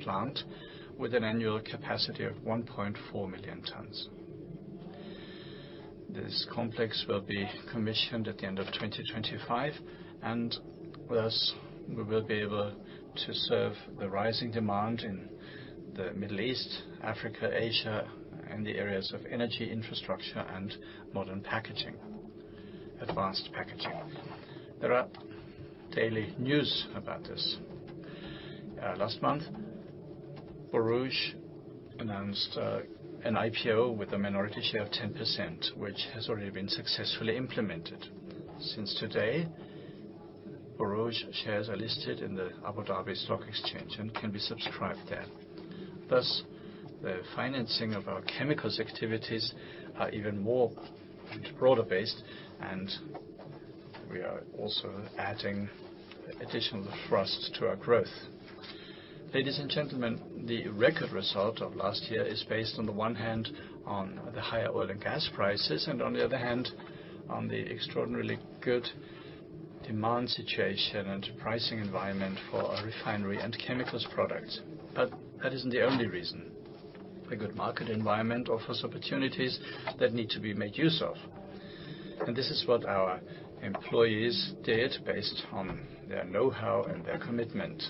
plant with an annual capacity of 1.4 million tons. This complex will be commissioned at the end of 2025, and thus we will be able to serve the rising demand in the Middle East, Africa, Asia, and the areas of energy infrastructure and modern packaging, advanced packaging. There are daily news about this. Last month, Borouge announced an IPO with a minority share of 10%, which has already been successfully implemented. Since today, Borouge shares are listed in the Abu Dhabi Securities Exchange and can be subscribed there. Thus, the financing of our chemicals activities are even more broader based, and we are also adding additional thrust to our growth. Ladies and gentlemen, the record result of last year is based on the one hand on the higher oil and gas prices, and on the other hand, on the extraordinarily good demand situation and pricing environment for our refinery and chemicals products. That isn't the only reason. A good market environment offers opportunities that need to be made use of. This is what our employees did based on their know-how and their commitment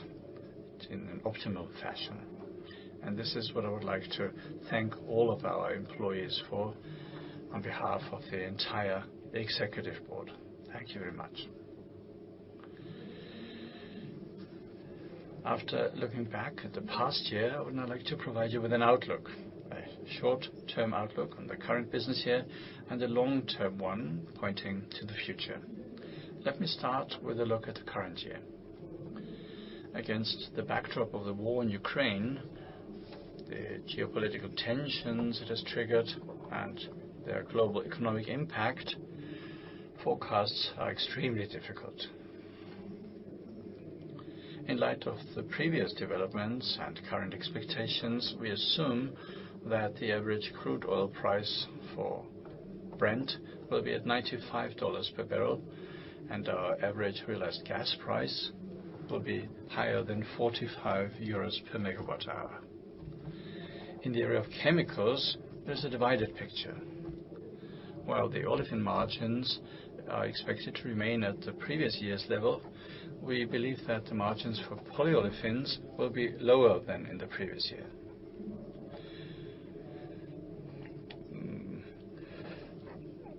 in an optimal fashion. This is what I would like to thank all of our employees for on behalf of the entire executive board. Thank you very much. After looking back at the past year, I would now like to provide you with an outlook, a short-term outlook on the current business year and a long-term one pointing to the future. Let me start with a look at the current year. Against the backdrop of the war in Ukraine, the geopolitical tensions it has triggered and their global economic impact, forecasts are extremely difficult. In light of the previous developments and current expectations, we assume that the average crude oil price for Brent will be at $95 per barrel, and our average realized gas price will be higher than 45 euros per megawatt hour. In the area of chemicals, there's a divided picture. While the olefin margins are expected to remain at the previous year's level, we believe that the margins for polyolefins will be lower than in the previous year.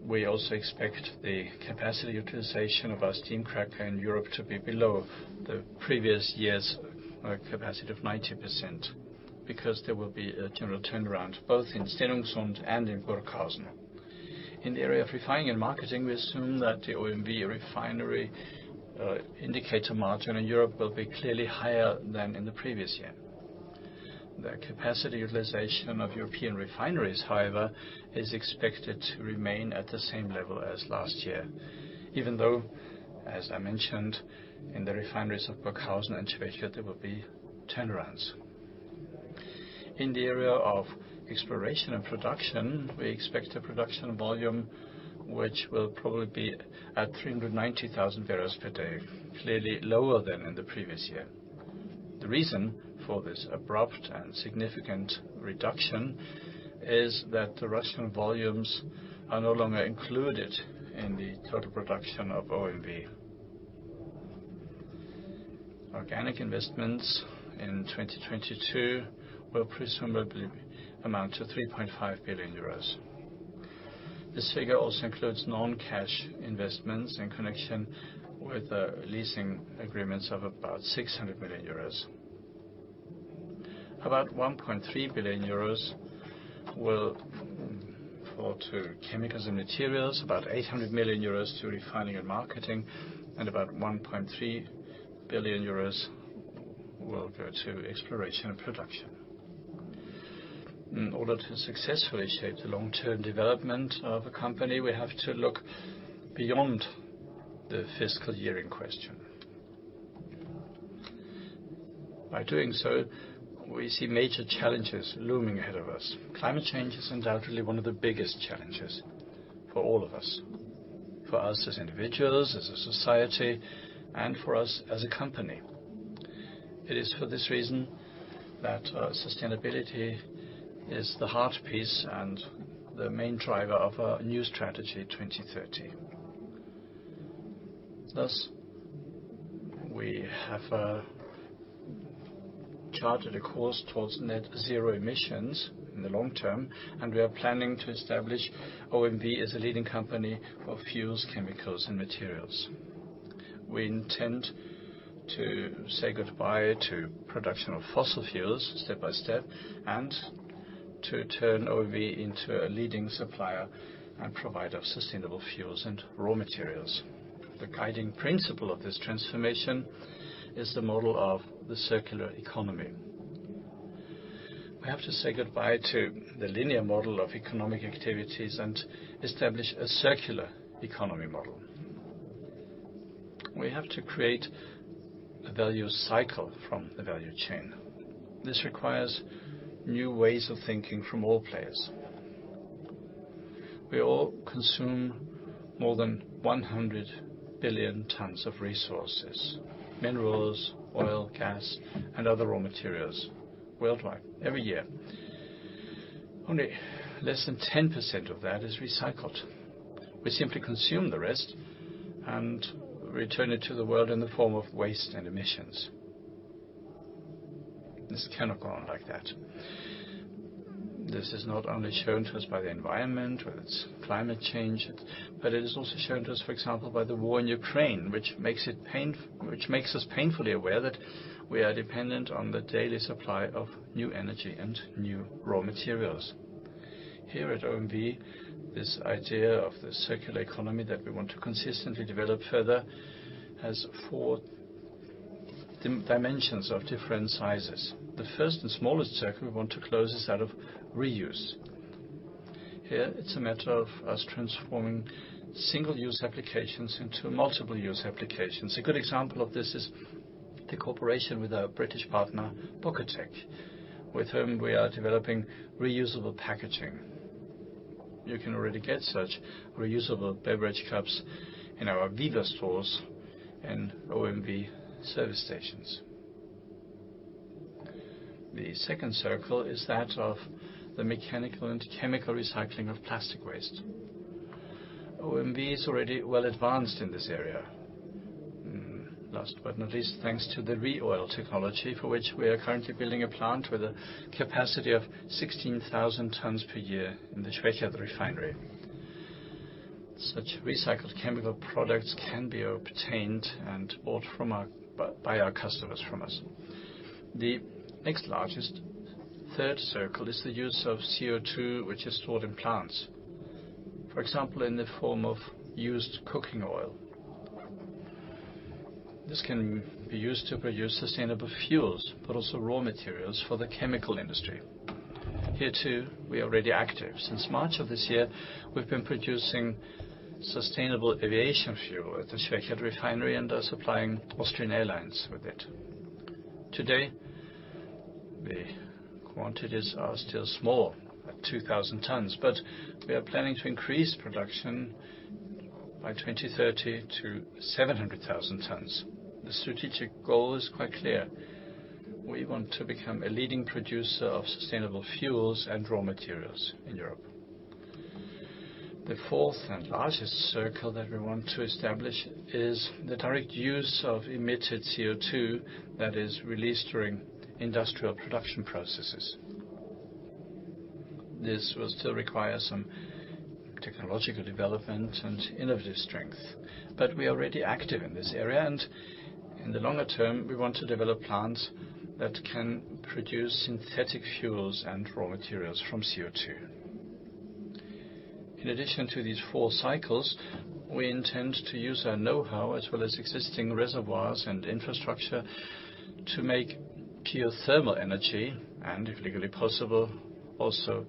We also expect the capacity utilization of our steam cracker in Europe to be below the previous year's capacity of 90% because there will be a general turnaround both in Schwechat and in Burghausen. In the area of refining and marketing, we assume that the OMV refinery indicator margin in Europe will be clearly higher than in the previous year. The capacity utilization of European refineries, however, is expected to remain at the same level as last year, even though, as I mentioned, in the refineries of Burghausen and Schwechat, there will be turnarounds. In the area of exploration and production, we expect a production volume which will probably be at 390,000 barrels per day, clearly lower than in the previous year. The reason for this abrupt and significant reduction is that the Russian volumes are no longer included in the total production of OMV. Organic investments in 2022 will presumably amount to 3.5 billion euros. This figure also includes non-cash investments in connection with leasing agreements of about 600 million euros. About 1.3 billion euros will fall to chemicals and materials, about 800 million euros to refining and marketing, and about 1.3 billion euros will go to exploration and production. In order to successfully shape the long-term development of a company, we have to look beyond the fiscal year in question. By doing so, we see major challenges looming ahead of us. Climate change is undoubtedly one of the biggest challenges for all of us, for us as individuals, as a society, and for us as a company. It is for this reason that sustainability is the heartbeat and the main driver of our new Strategy 2030. Thus, we have charted a course towards net zero emissions in the long term, and we are planning to establish OMV as a leading company for fuels, chemicals, and materials. We intend to say goodbye to production of fossil fuels step by step, and to turn OMV into a leading supplier and provider of sustainable fuels and raw materials. The guiding principle of this transformation is the model of the circular economy. We have to say goodbye to the linear model of economic activities and establish a circular economy model. We have to create a value cycle from the value chain. This requires new ways of thinking from all players. We all consume more than 100 billion tons of resources, minerals, oil, gas, and other raw materials worldwide every year. Only less than 10% of that is recycled. We simply consume the rest and return it to the world in the form of waste and emissions. This cannot go on like that. This is not only shown to us by the environment with its climate change, but it is also shown to us, for example, by the war in Ukraine, which makes us painfully aware that we are dependent on the daily supply of new energy and new raw materials. Here at OMV, this idea of the circular economy that we want to consistently develop further has four dimensions of different sizes. The first and smallest circle we want to close is that of reuse. Here, it's a matter of us transforming single-use applications into multiple-use applications. A good example of this is the cooperation with our British partner, Bockatech, with whom we are developing reusable packaging. You can already get such reusable beverage cups in our VIVA stores and OMV service stations. The second circle is that of the mechanical and chemical recycling of plastic waste. OMV is already well advanced in this area. Last but not least, thanks to the ReOil technology, for which we are currently building a plant with a capacity of 16,000 tons per year in the Schwechat refinery. Such recycled chemical products can be obtained and bought by our customers from us. The next largest, third circle is the use of CO₂ which is stored in plants. For example, in the form of used cooking oil. This can be used to produce sustainable fuels, but also raw materials for the chemical industry. Here, too, we are already active. Since March of this year, we've been producing Sustainable Aviation Fuel at the Schwechat refinery and are supplying Austrian Airlines with it. Today, the quantities are still small, at 2,000 tons, but we are planning to increase production by 2030 to 700,000 tons. The strategic goal is quite clear. We want to become a leading producer of sustainable fuels and raw materials in Europe. The fourth and largest circle that we want to establish is the direct use of emitted CO₂ that is released during industrial production processes. This will still require some technological development and innovative strength, but we are already active in this area. In the longer term, we want to develop plants that can produce synthetic fuels and raw materials from CO₂. In addition to these four cycles, we intend to use our know-how as well as existing reservoirs and infrastructure to make geothermal energy and, if legally possible, also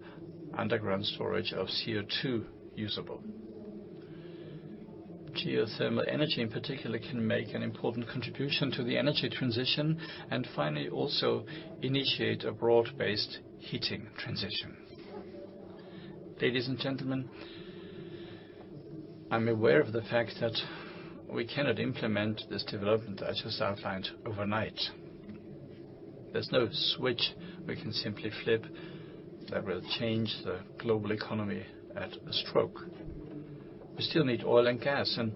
underground storage of CO₂ usable. Geothermal energy, in particular, can make an important contribution to the energy transition, and finally, also initiate a broad-based heating transition. Ladies and gentlemen, I'm aware of the fact that we cannot implement this development, as just outlined, overnight. There's no switch we can simply flip that will change the global economy at a stroke. We still need oil and gas, and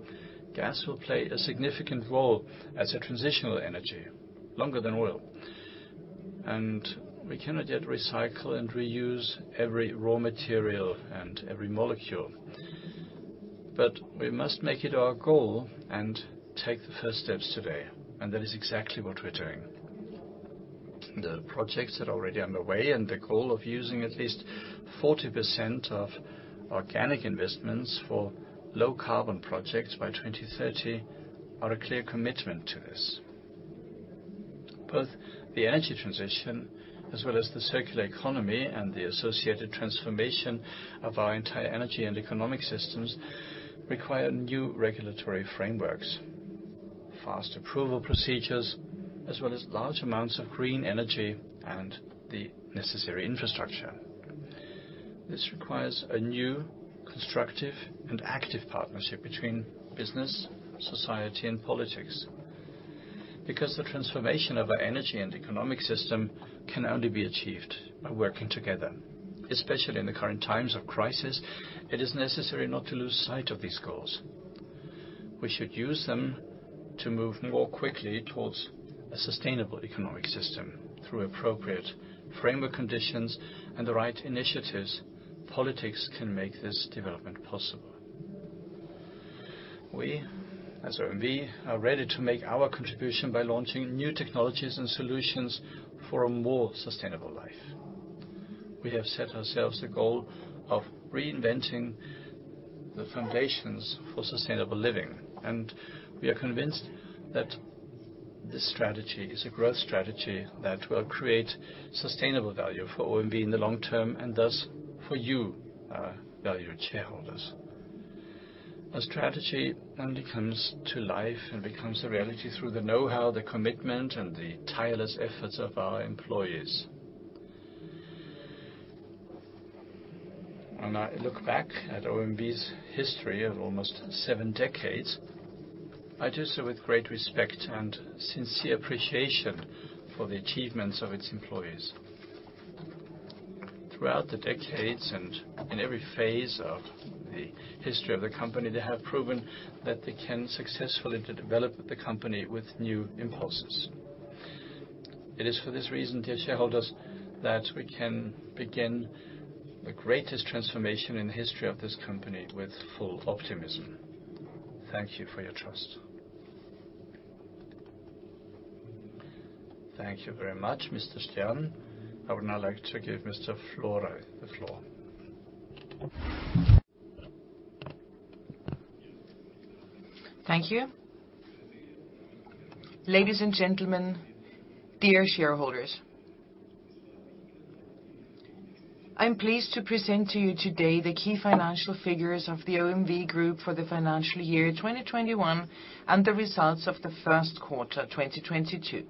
gas will play a significant role as a transitional energy longer than oil. We cannot yet recycle and reuse every raw material and every molecule. We must make it our goal and take the first steps today, and that is exactly what we're doing. The projects that are already underway and the goal of using at least 40% of organic investments for low carbon projects by 2030 are a clear commitment to this. Both the energy transition, as well as the circular economy and the associated transformation of our entire energy and economic systems require new regulatory frameworks, fast approval procedures, as well as large amounts of green energy and the necessary infrastructure. This requires a new, constructive and active partnership between business, society, and politics. Because the transformation of our energy and economic system can only be achieved by working together. Especially in the current times of crisis, it is necessary not to lose sight of these goals. We should use them to move more quickly towards a sustainable economic system. Through appropriate framework conditions and the right initiatives, politics can make this development possible. We at OMV are ready to make our contribution by launching new technologies and solutions for a more sustainable life. We have set ourselves the goal of reinventing the foundations for sustainable living, and we are convinced that this strategy is a growth strategy that will create sustainable value for OMV in the long term, and thus for you, our valued shareholders. A strategy only comes to life and becomes a reality through the know-how, the commitment, and the tireless efforts of our employees. When I look back at OMV's history of almost seven decades, I do so with great respect and sincere appreciation for the achievements of its employees. Throughout the decades and in every phase of the history of the company, they have proven that they can successfully de-develop the company with new impulses. It is for this reason, dear shareholders, that we can begin the greatest transformation in the history of this company with full optimism. Thank you for your trust. Thank you very much, Mr. Stern. I would now like to give Mr. Florey the floor. Thank you. Ladies and gentlemen, dear shareholders. I am pleased to present to you today the key financial figures of the OMV Group for the financial year 2021, and the results of the first quarter, 2022.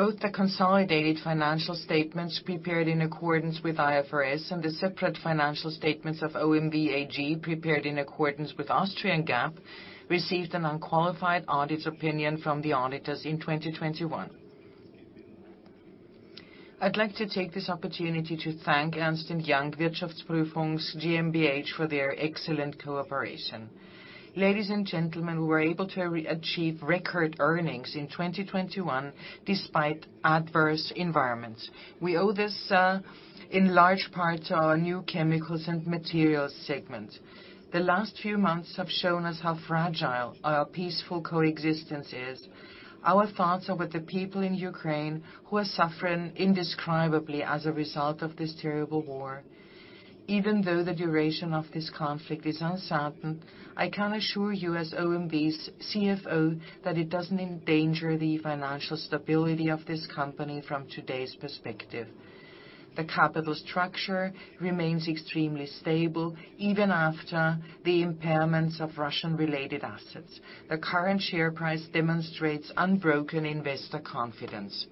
Both the consolidated financial statements prepared in accordance with IFRS and the separate financial statements of OMV AG, prepared in accordance with Austrian GAAP, received an unqualified audit opinion from the auditors in 2021. I'd like to take this opportunity to thank Ernst & Young Wirtschaftsprüfungsgesellschaft m.b.H. for their excellent cooperation. Ladies and gentlemen, we were able to re-achieve record earnings in 2021 despite adverse environments. We owe this in large part to our new chemicals and materials segment. The last few months have shown us how fragile our peaceful coexistence is. Our thoughts are with the people in Ukraine who are suffering indescribably as a result of this terrible war. Even though the duration of this conflict is uncertain, I can assure you as OMV's CFO that it doesn't endanger the financial stability of this company from today's perspective. The capital structure remains extremely stable even after the impairments of Russian-related assets. The current share price demonstrates unbroken investor confidence.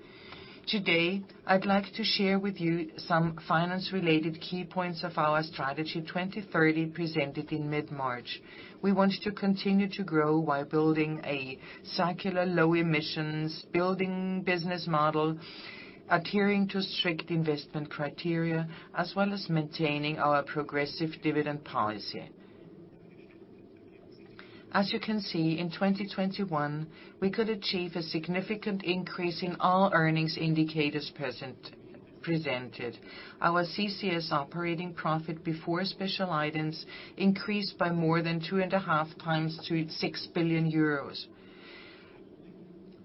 Today, I'd like to share with you some finance-related key points of our Strategy 2030, presented in mid-March. We want to continue to grow while building a circular low-emissions business model, adhering to strict investment criteria, as well as maintaining our progressive dividend policy. As you can see, in 2021, we could achieve a significant increase in all earnings indicators presented. Our CCS operating profit before special items increased by more than two and a half times to 6 billion euros.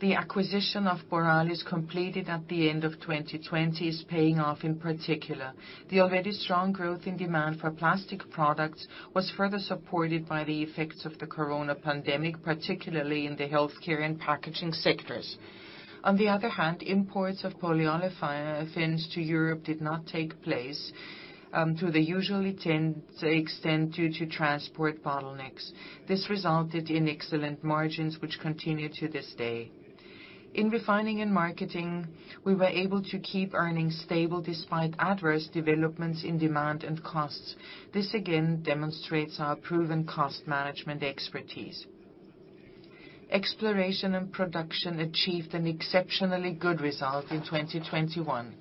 The acquisition of Borealis completed at the end of 2020 is paying off in particular. The already strong growth in demand for plastic products was further supported by the effects of the corona pandemic, particularly in the healthcare and packaging sectors. On the other hand, imports of polyolefins to Europe did not take place to the usual extent due to transport bottlenecks. This resulted in excellent margins, which continue to this day. In refining and marketing, we were able to keep earnings stable despite adverse developments in demand and costs. This again demonstrates our proven cost management expertise. Exploration and production achieved an exceptionally good result in 2021.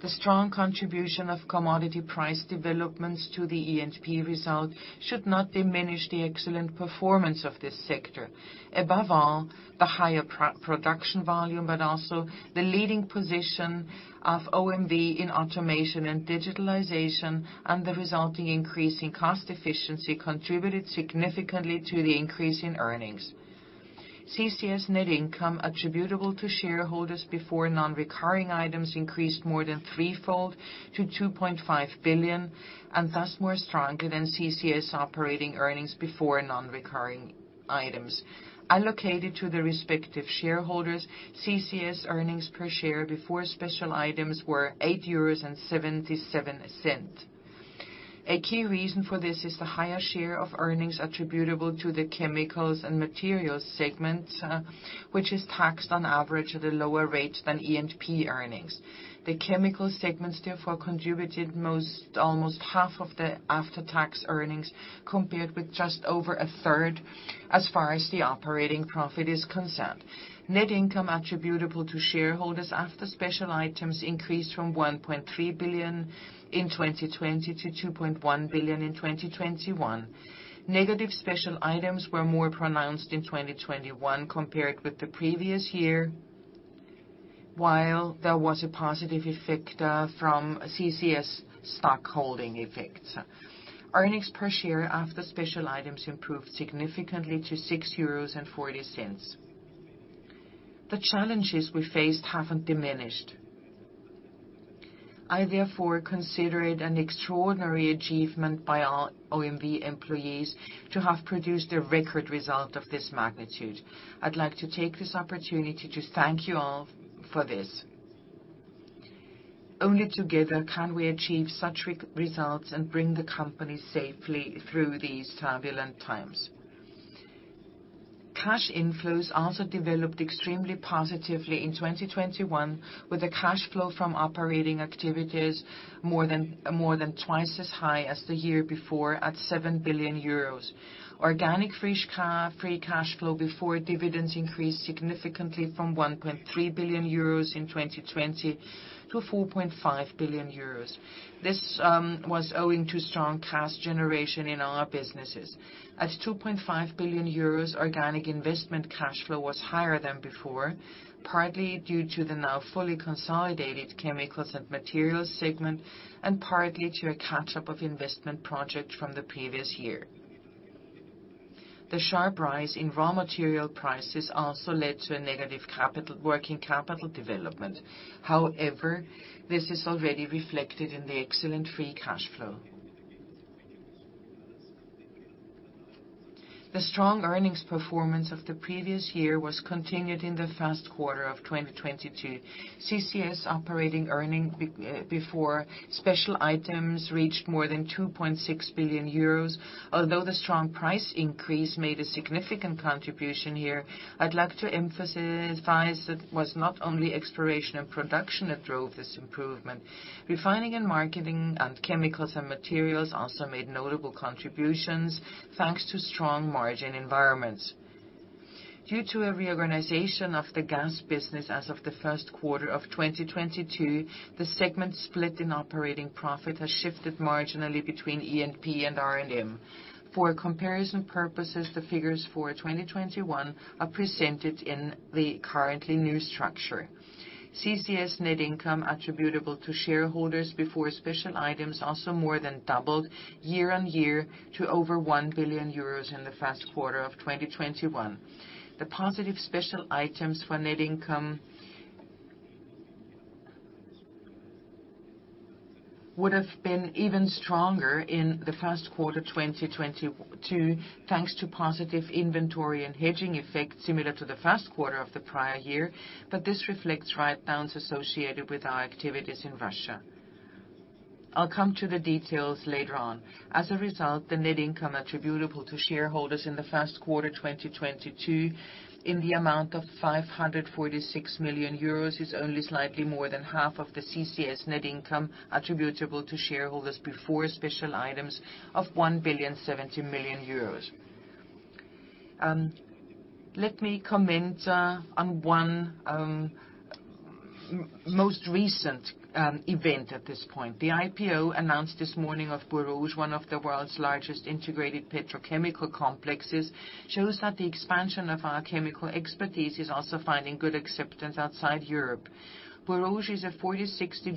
The strong contribution of commodity price developments to the E&P result should not diminish the excellent performance of this sector. Above all, the higher production volume, but also the leading position of OMV in automation and digitalization, and the resulting increase in cost efficiency contributed significantly to the increase in earnings. CCS net income attributable to shareholders before non-recurring items increased more than threefold to 2.5 billion, and thus more strongly than CCS operating earnings before non-recurring items. Allocated to the respective shareholders, CCS earnings per share before special items were 8.77 euros. A key reason for this is the higher share of earnings attributable to the chemicals and materials segments, which is taxed on average at a lower rate than E&P earnings. The chemical segments, therefore, contributed most, almost half of the after-tax earnings, compared with just over a third as far as the operating profit is concerned. Net income attributable to shareholders after special items increased from 1.3 billion in 2020 to 2.1 billion in 2021. Negative special items were more pronounced in 2021 compared with the previous year. While there was a positive effect from CCS stockholding effects. Earnings per share after special items improved significantly to 6.40 euros. The challenges we faced haven't diminished. I therefore consider it an extraordinary achievement by our OMV employees to have produced a record result of this magnitude. I'd like to take this opportunity to thank you all for this. Only together can we achieve such results and bring the company safely through these turbulent times. Cash inflows also developed extremely positively in 2021, with the cash flow from operating activities more than twice as high as the year before at 7 billion euros. Organic free cash flow before dividends increased significantly from 1.3 billion euros in 2020 to 4.5 billion euros. This was owing to strong cash generation in our businesses. At 2.5 billion euros, organic investment cash flow was higher than before, partly due to the now fully consolidated chemicals and materials segment, and partly to a catch-up of investment projects from the previous year. The sharp rise in raw material prices also led to a negative working capital development. However, this is already reflected in the excellent free cash flow. The strong earnings performance of the previous year was continued in the first quarter of 2022. CCS operating earning before special items reached more than 2.6 billion euros, although the strong price increase made a significant contribution here. I'd like to emphasize it was not only exploration and production that drove this improvement. Refining and marketing and chemicals and materials also made notable contributions thanks to strong margin environments. Due to a reorganization of the gas business as of the first quarter of 2022, the segment split in operating profit has shifted marginally between E&P and R&M. For comparison purposes, the figures for 2021 are presented in the currently new structure. CCS net income attributable to shareholders before special items also more than doubled year-over-year to over 1 billion euros in the first quarter of 2022. The positive special items for net income would have been even stronger in the first quarter 2022, thanks to positive inventory and hedging effects similar to the first quarter of the prior year, but this reflects write-downs associated with our activities in Russia. I'll come to the details later on. As a result, the net income attributable to shareholders in the first quarter, 2022, in the amount of 546 million euros, is only slightly more than half of the CCS net income attributable to shareholders before special items of 1,070 million euros. Let me comment on one most recent event at this point. The IPO announced this morning of Borouge, one of the world's largest integrated petrochemical complexes, shows that the expansion of our chemical expertise is also finding good acceptance outside Europe. Borouge is a 40/60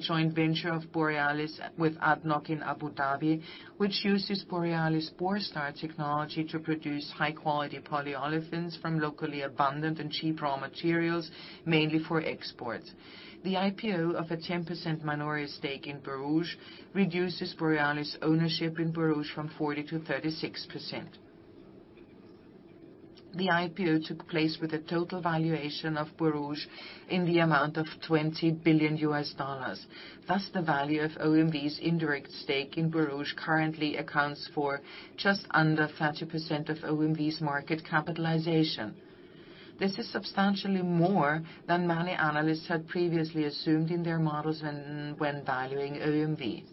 joint venture of Borealis with ADNOC in Abu Dhabi, which uses Borealis Borstar technology to produce high-quality polyolefins from locally abundant and cheap raw materials, mainly for export. The IPO of a 10% minority stake in Borouge reduces Borealis' ownership in Borouge from 40% to 36%. The IPO took place with a total valuation of Borouge in the amount of $20 billion. Thus, the value of OMV's indirect stake in Borouge currently accounts for just under 30% of OMV's market capitalization. This is substantially more than many analysts had previously assumed in their models when valuing OMV.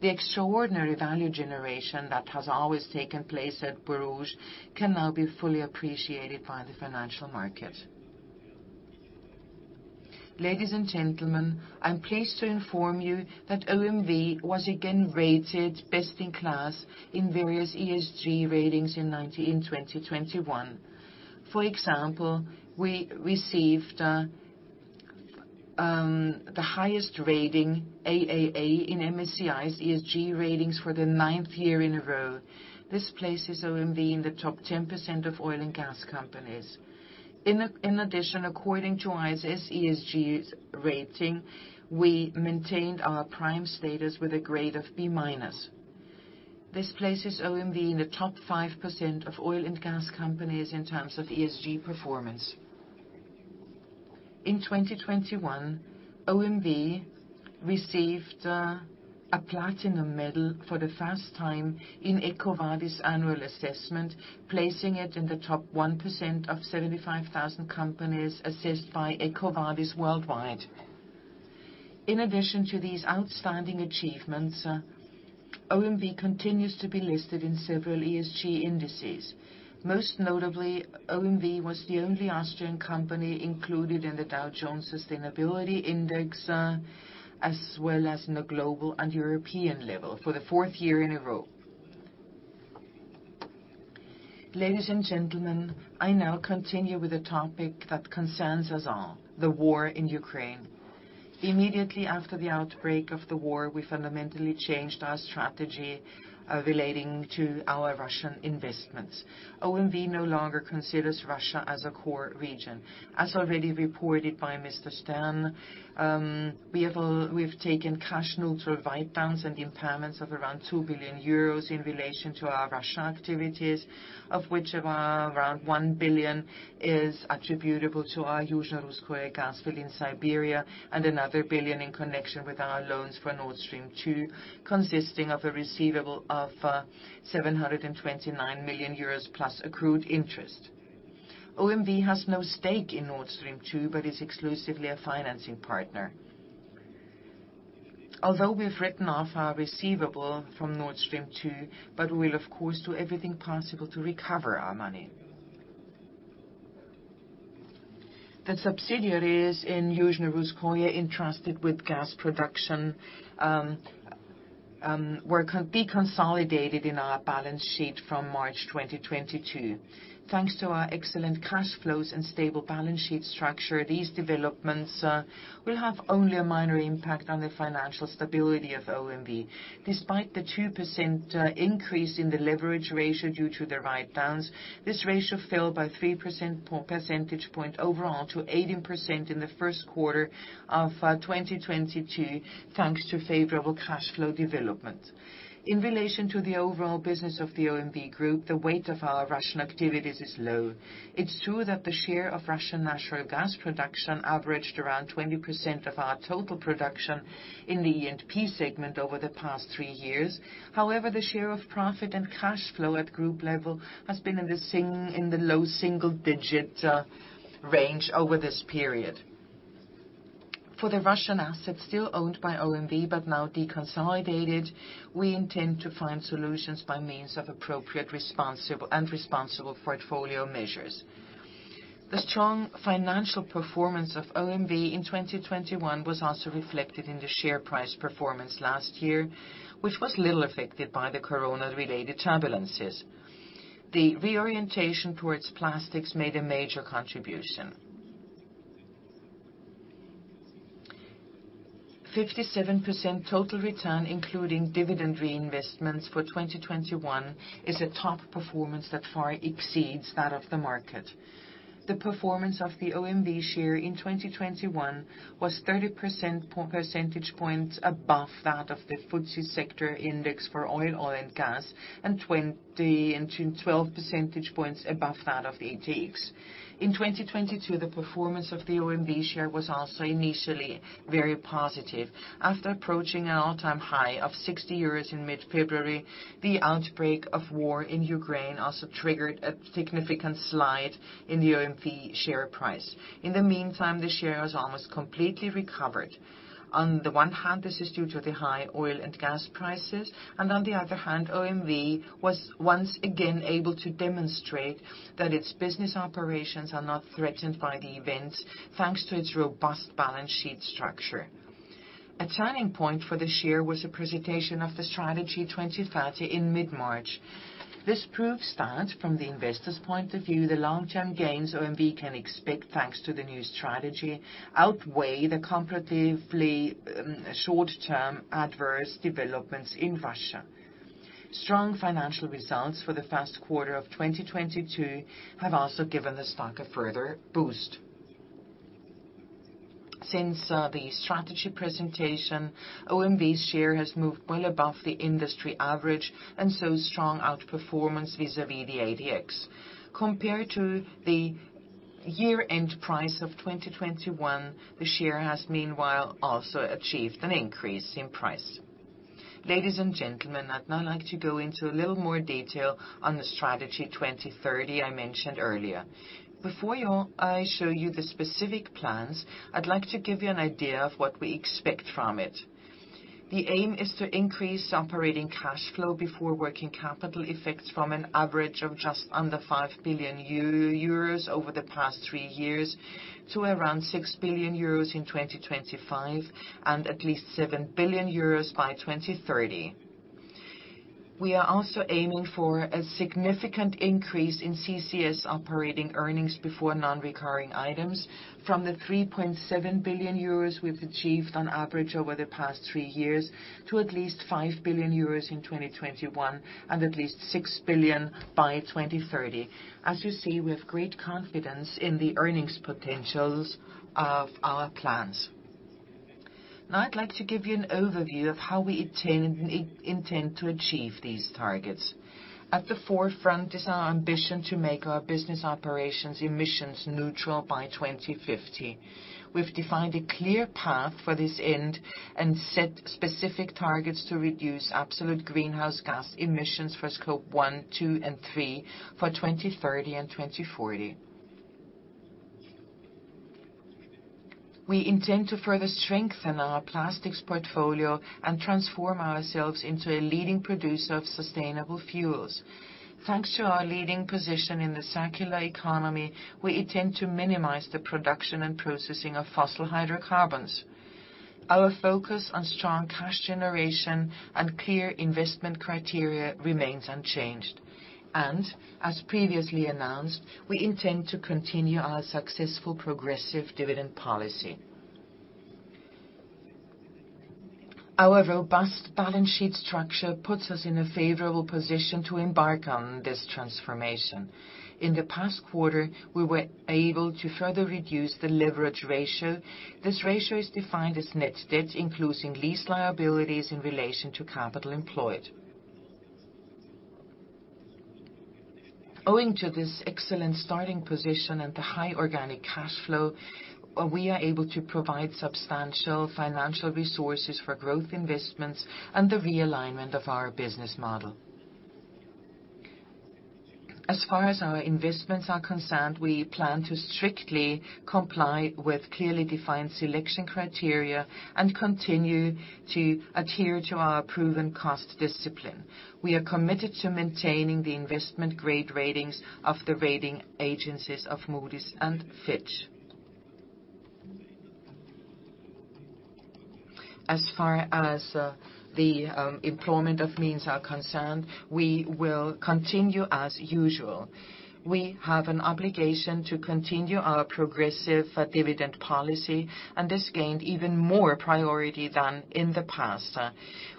The extraordinary value generation that has always taken place at Borouge can now be fully appreciated by the financial market. Ladies and gentlemen, I'm pleased to inform you that OMV was again rated best in class in various ESG ratings in 2021. For example, we received the highest rating, AAA, in MSCI's ESG ratings for the ninth year in a row. This places OMV in the top 10% of oil and gas companies. In addition, according to ISS ESG's rating, we maintained our prime status with a grade of B-minus. This places OMV in the top 5% of oil and gas companies in terms of ESG performance. In 2021, OMV received a platinum medal for the first time in EcoVadis' annual assessment, placing it in the top 1% of 75,000 companies assessed by EcoVadis worldwide. In addition to these outstanding achievements, OMV continues to be listed in several ESG indices. Most notably, OMV was the only Austrian company included in the Dow Jones Sustainability Index as well as in the global and European level for the fourth year in a row. Ladies and gentlemen, I now continue with a topic that concerns us all, the war in Ukraine. Immediately after the outbreak of the war, we fundamentally changed our strategy relating to our Russian investments. OMV no longer considers Russia as a core region. As already reported by Mr. Stern, we've taken cash neutral write-downs and impairments of around 2 billion euros in relation to our Russia activities, of which around 1 billion is attributable to our Yuzhno-Russkoye gas field in Siberia, and another 1 billion in connection with our loans for Nord Stream 2, consisting of a receivable of 729 million euros plus accrued interest. OMV has no stake in Nord Stream 2, but is exclusively a financing partner. Although we've written off our receivable from Nord Stream 2, but we will, of course, do everything possible to recover our money. The subsidiaries in Yuzhno-Russkoye entrusted with gas production were deconsolidated in our balance sheet from March 2022. Thanks to our excellent cash flows and stable balance sheet structure, these developments will have only a minor impact on the financial stability of OMV. Despite the 2% increase in the leverage ratio due to the write-downs, this ratio fell by 3 percentage points overall to 18% in the first quarter of 2022, thanks to favorable cash flow development. In relation to the overall business of the OMV Group, the weight of our Russian activities is low. It's true that the share of Russian natural gas production averaged around 20% of our total production in the E&P segment over the past 3 years. However, the share of profit and cash flow at group level has been in the low single-digit range over this period. For the Russian assets still owned by OMV, but now deconsolidated, we intend to find solutions by means of appropriate, responsible portfolio measures. The strong financial performance of OMV in 2021 was also reflected in the share price performance last year, which was little affected by the corona-related turbulences. The reorientation towards plastics made a major contribution. 57% total return, including dividend reinvestments for 2021, is a top performance that far exceeds that of the market. The performance of the OMV share in 2021 was 30 percentage points above that of the FTSE sector index for oil and gas, and 12 percentage points above that of ATX. In 2022, the performance of the OMV share was also initially very positive. After approaching an all-time high of 60 in mid-February, the outbreak of war in Ukraine also triggered a significant slide in the OMV share price. In the meantime, the share has almost completely recovered. On the one hand, this is due to the high oil and gas prices, and on the other hand, OMV was once again able to demonstrate that its business operations are not threatened by the events thanks to its robust balance sheet structure. A turning point for the share was the presentation of the Strategy 2030 in mid-March. This proves that from the investor's point of view, the long-term gains OMV can expect thanks to the new strategy outweigh the comparatively short-term adverse developments in Russia. Strong financial results for the first quarter of 2022 have also given the stock a further boost. Since the strategy presentation, OMV's share has moved well above the industry average and saw strong outperformance vis-à-vis the ATX. Compared to the year-end price of 2021, the share has meanwhile also achieved an increase in price. Ladies and gentlemen, I'd now like to go into a little more detail on the Strategy 2030 I mentioned earlier. Before I show you the specific plans, I'd like to give you an idea of what we expect from it. The aim is to increase operating cash flow before working capital effects from an average of just under 5 billion euros over the past three years to around 6 billion euros in 2025, and at least 7 billion euros by 2030. We are also aiming for a significant increase in CCS operating earnings before non-recurring items from 3.7 billion euros we've achieved on average over the past three years, to at least 5 billion euros in 2021, and at least 6 billion by 2030. As you see, we have great confidence in the earnings potentials of our plans. Now I'd like to give you an overview of how we intend to achieve these targets. At the forefront is our ambition to make our business operations emissions-neutral by 2050. We've defined a clear path for this end and set specific targets to reduce absolute greenhouse gas emissions for Scope one, two, and three for 2030 and 2040. We intend to further strengthen our plastics portfolio and transform ourselves into a leading producer of sustainable fuels. Thanks to our leading position in the circular economy, we intend to minimize the production and processing of fossil hydrocarbons. Our focus on strong cash generation and clear investment criteria remains unchanged. As previously announced, we intend to continue our successful progressive dividend policy. Our robust balance sheet structure puts us in a favorable position to embark on this transformation. In the past quarter, we were able to further reduce the leverage ratio. This ratio is defined as net debt, including lease liabilities in relation to capital employed. Owing to this excellent starting position and the high organic cash flow, we are able to provide substantial financial resources for growth investments and the realignment of our business model. As far as our investments are concerned, we plan to strictly comply with clearly defined selection criteria and continue to adhere to our proven cost discipline. We are committed to maintaining the investment grade ratings of the rating agencies of Moody's and Fitch. As far as the employment of means are concerned, we will continue as usual. We have an obligation to continue our progressive dividend policy, and this gained even more priority than in the past.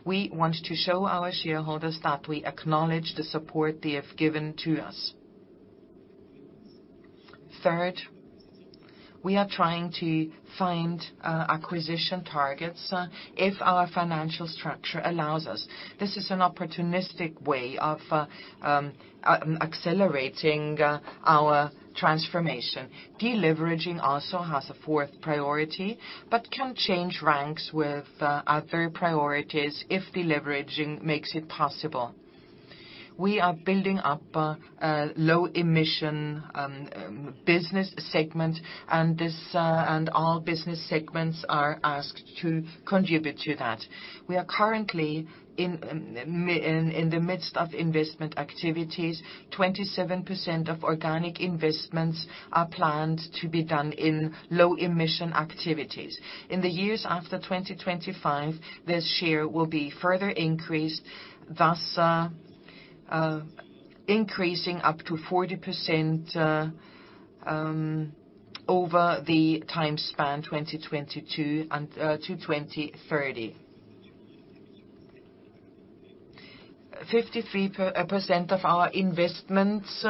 We want to show our shareholders that we acknowledge the support they have given to us. Third, we are trying to find acquisition targets if our financial structure allows us. This is an opportunistic way of accelerating our transformation. Deleveraging also has a fourth priority, but can change ranks with other priorities if deleveraging makes it possible. We are building up a low emission business segment, and all business segments are asked to contribute to that. We are currently in the midst of investment activities. 27% of organic investments are planned to be done in low emission activities. In the years after 2025, this share will be further increased, thus increasing up to 40%, over the time span 2022-2030. 53% of our investments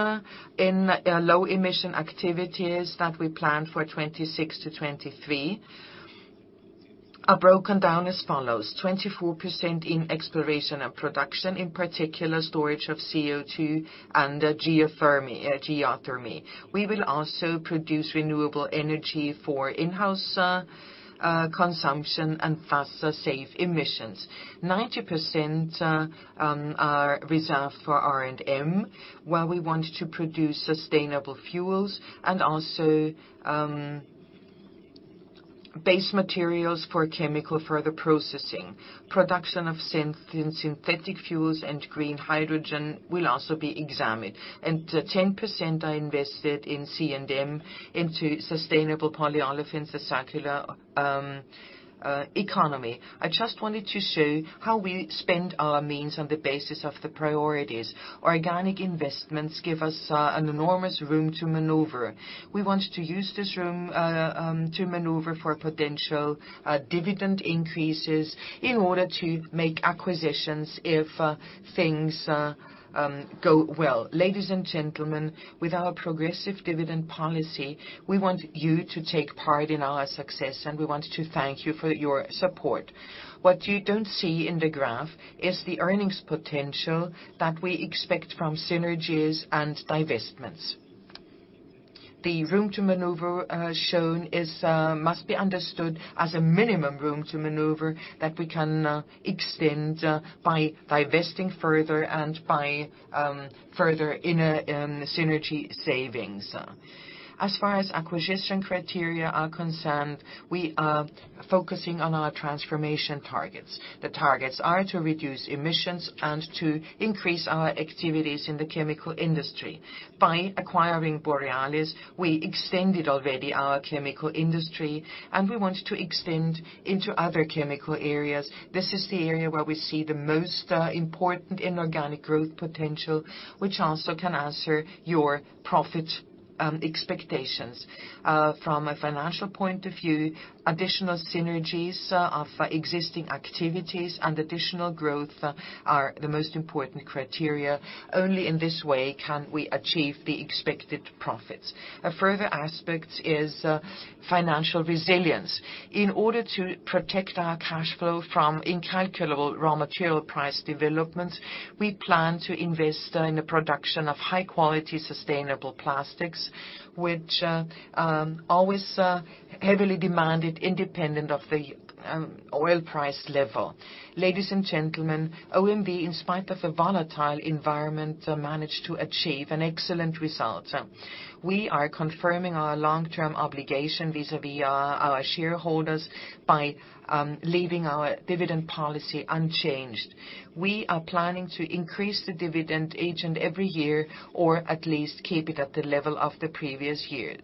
in low emission activities that we plan for 2023-2026 are broken down as follows, 24% in exploration and production, in particular storage of CO2 and geothermal. We will also produce renewable energy for in-house consumption and thus save emissions. 90% are reserved for R&M, where we want to produce sustainable fuels and also base materials for chemical further processing. Production of synthetic fuels and green hydrogen will also be examined. 10% are invested in C&M into sustainable polyolefins, a circular economy. I just wanted to show how we spend our means on the basis of the priorities. Organic investments give us an enormous room to maneuver. We want to use this room to maneuver for potential dividend increases in order to make acquisitions if things go well. Ladies and gentlemen, with our progressive dividend policy, we want you to take part in our success, and we want to thank you for your support. What you don't see in the graph is the earnings potential that we expect from synergies and divestments. The room to maneuver shown is must be understood as a minimum room to maneuver that we can extend by divesting further and by further inner synergy savings. As far as acquisition criteria are concerned, we are focusing on our transformation targets. The targets are to reduce emissions and to increase our activities in the chemical industry. By acquiring Borealis, we extended already our chemical industry, and we want to extend into other chemical areas. This is the area where we see the most important inorganic growth potential, which also can answer your profit expectations. From a financial point of view, additional synergies of existing activities and additional growth are the most important criteria. Only in this way can we achieve the expected profits. A further aspect is financial resilience. In order to protect our cash flow from incalculable raw material price developments, we plan to invest in the production of high-quality, sustainable plastics, which always are heavily demanded independent of the oil price level. Ladies and gentlemen, OMV, in spite of the volatile environment, managed to achieve an excellent result. We are confirming our long-term obligation vis-à-vis our shareholders by leaving our dividend policy unchanged. We are planning to increase the dividend each and every year, or at least keep it at the level of the previous year.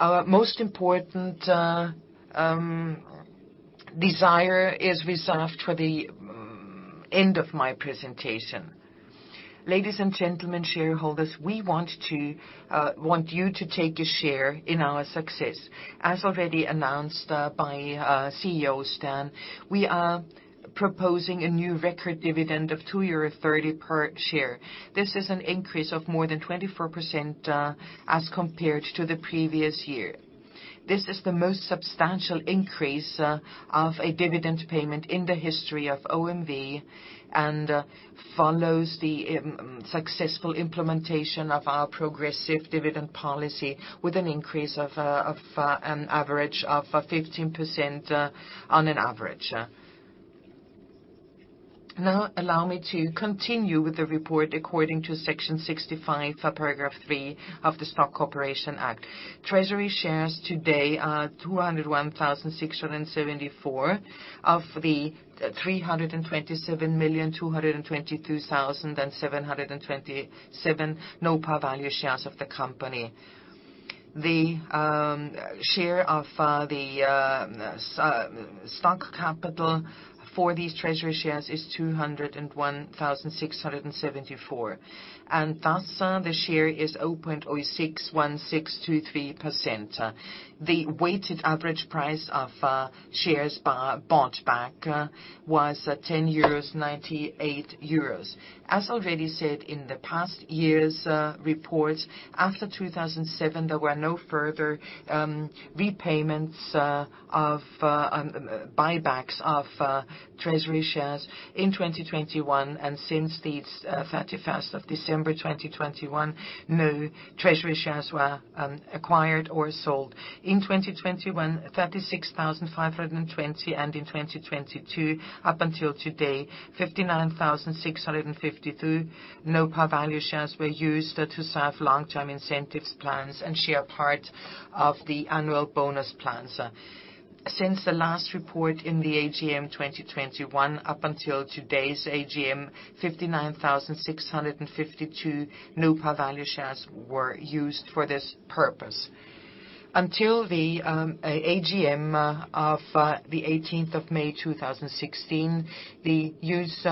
Our most important desire is reserved for the end of my presentation. Ladies and gentlemen, shareholders, we want you to take a share in our success. As already announced by our CEO, Alfred Stern, we are proposing a new record dividend of 2.30 euro per share. This is an increase of more than 24% as compared to the previous year. This is the most substantial increase of a dividend payment in the history of OMV and follows the successful implementation of our progressive dividend policy with an increase of an average of 15% on average. Now allow me to continue with the report according to Section 65, sub-paragraph three of the Austrian Stock Corporation Act. Treasury shares today are 201,674 of the 327,222,727 no-par value shares of the company. The share of the stock capital for these treasury shares is 201,674, and thus, the share is 0.061623%. The weighted average price of shares bought back was 10.98 euros. As already said in the past years' reports, after 2007, there were no further repayments of buybacks of treasury shares in 2021. Since the 31st of December 2021, no treasury shares were acquired or sold. In 2021, 36,520, and in 2022, up until today, 59,652 no-par value shares were used to serve long-term incentives plans and share part of the annual bonus plans. Since the last report in the AGM 2021 up until today's AGM, 59,652 no-par value shares were used for this purpose. Until the AGM of the 18th of May 2016, the use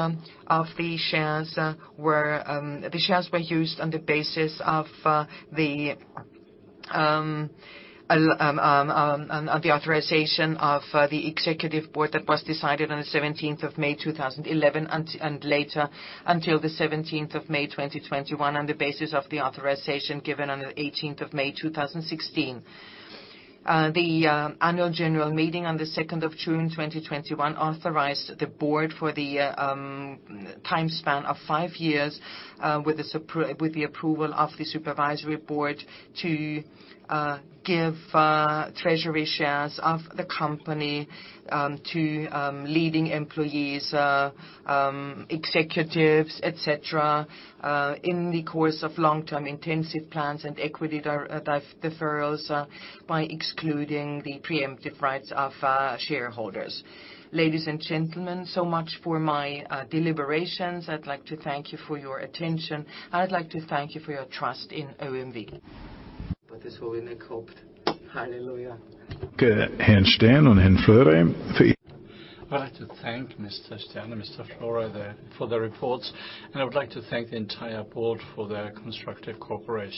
of the shares were. The shares were used on the basis of the authorization of the executive board that was decided on the 17th of May 2011 and later until the 17th of May 2021 on the basis of the authorization given on the 18th of May 2016. The annual general meeting on the 2nd of June 2021 authorized the board for the timespan of five years with the approval of the supervisory board to give treasury shares of the company to leading employees executives, et cetera, in the course of long-term intensive plans and equity deferrals by excluding the preemptive rights of shareholders. Ladies and gentlemen, so much for my deliberations. I'd like to thank you for your attention. I'd like to thank you for your trust in OMV. I'd like to thank Mr. Stern and Mr. Florey there for the reports, and I would like to thank the entire board for their constructive cooperation.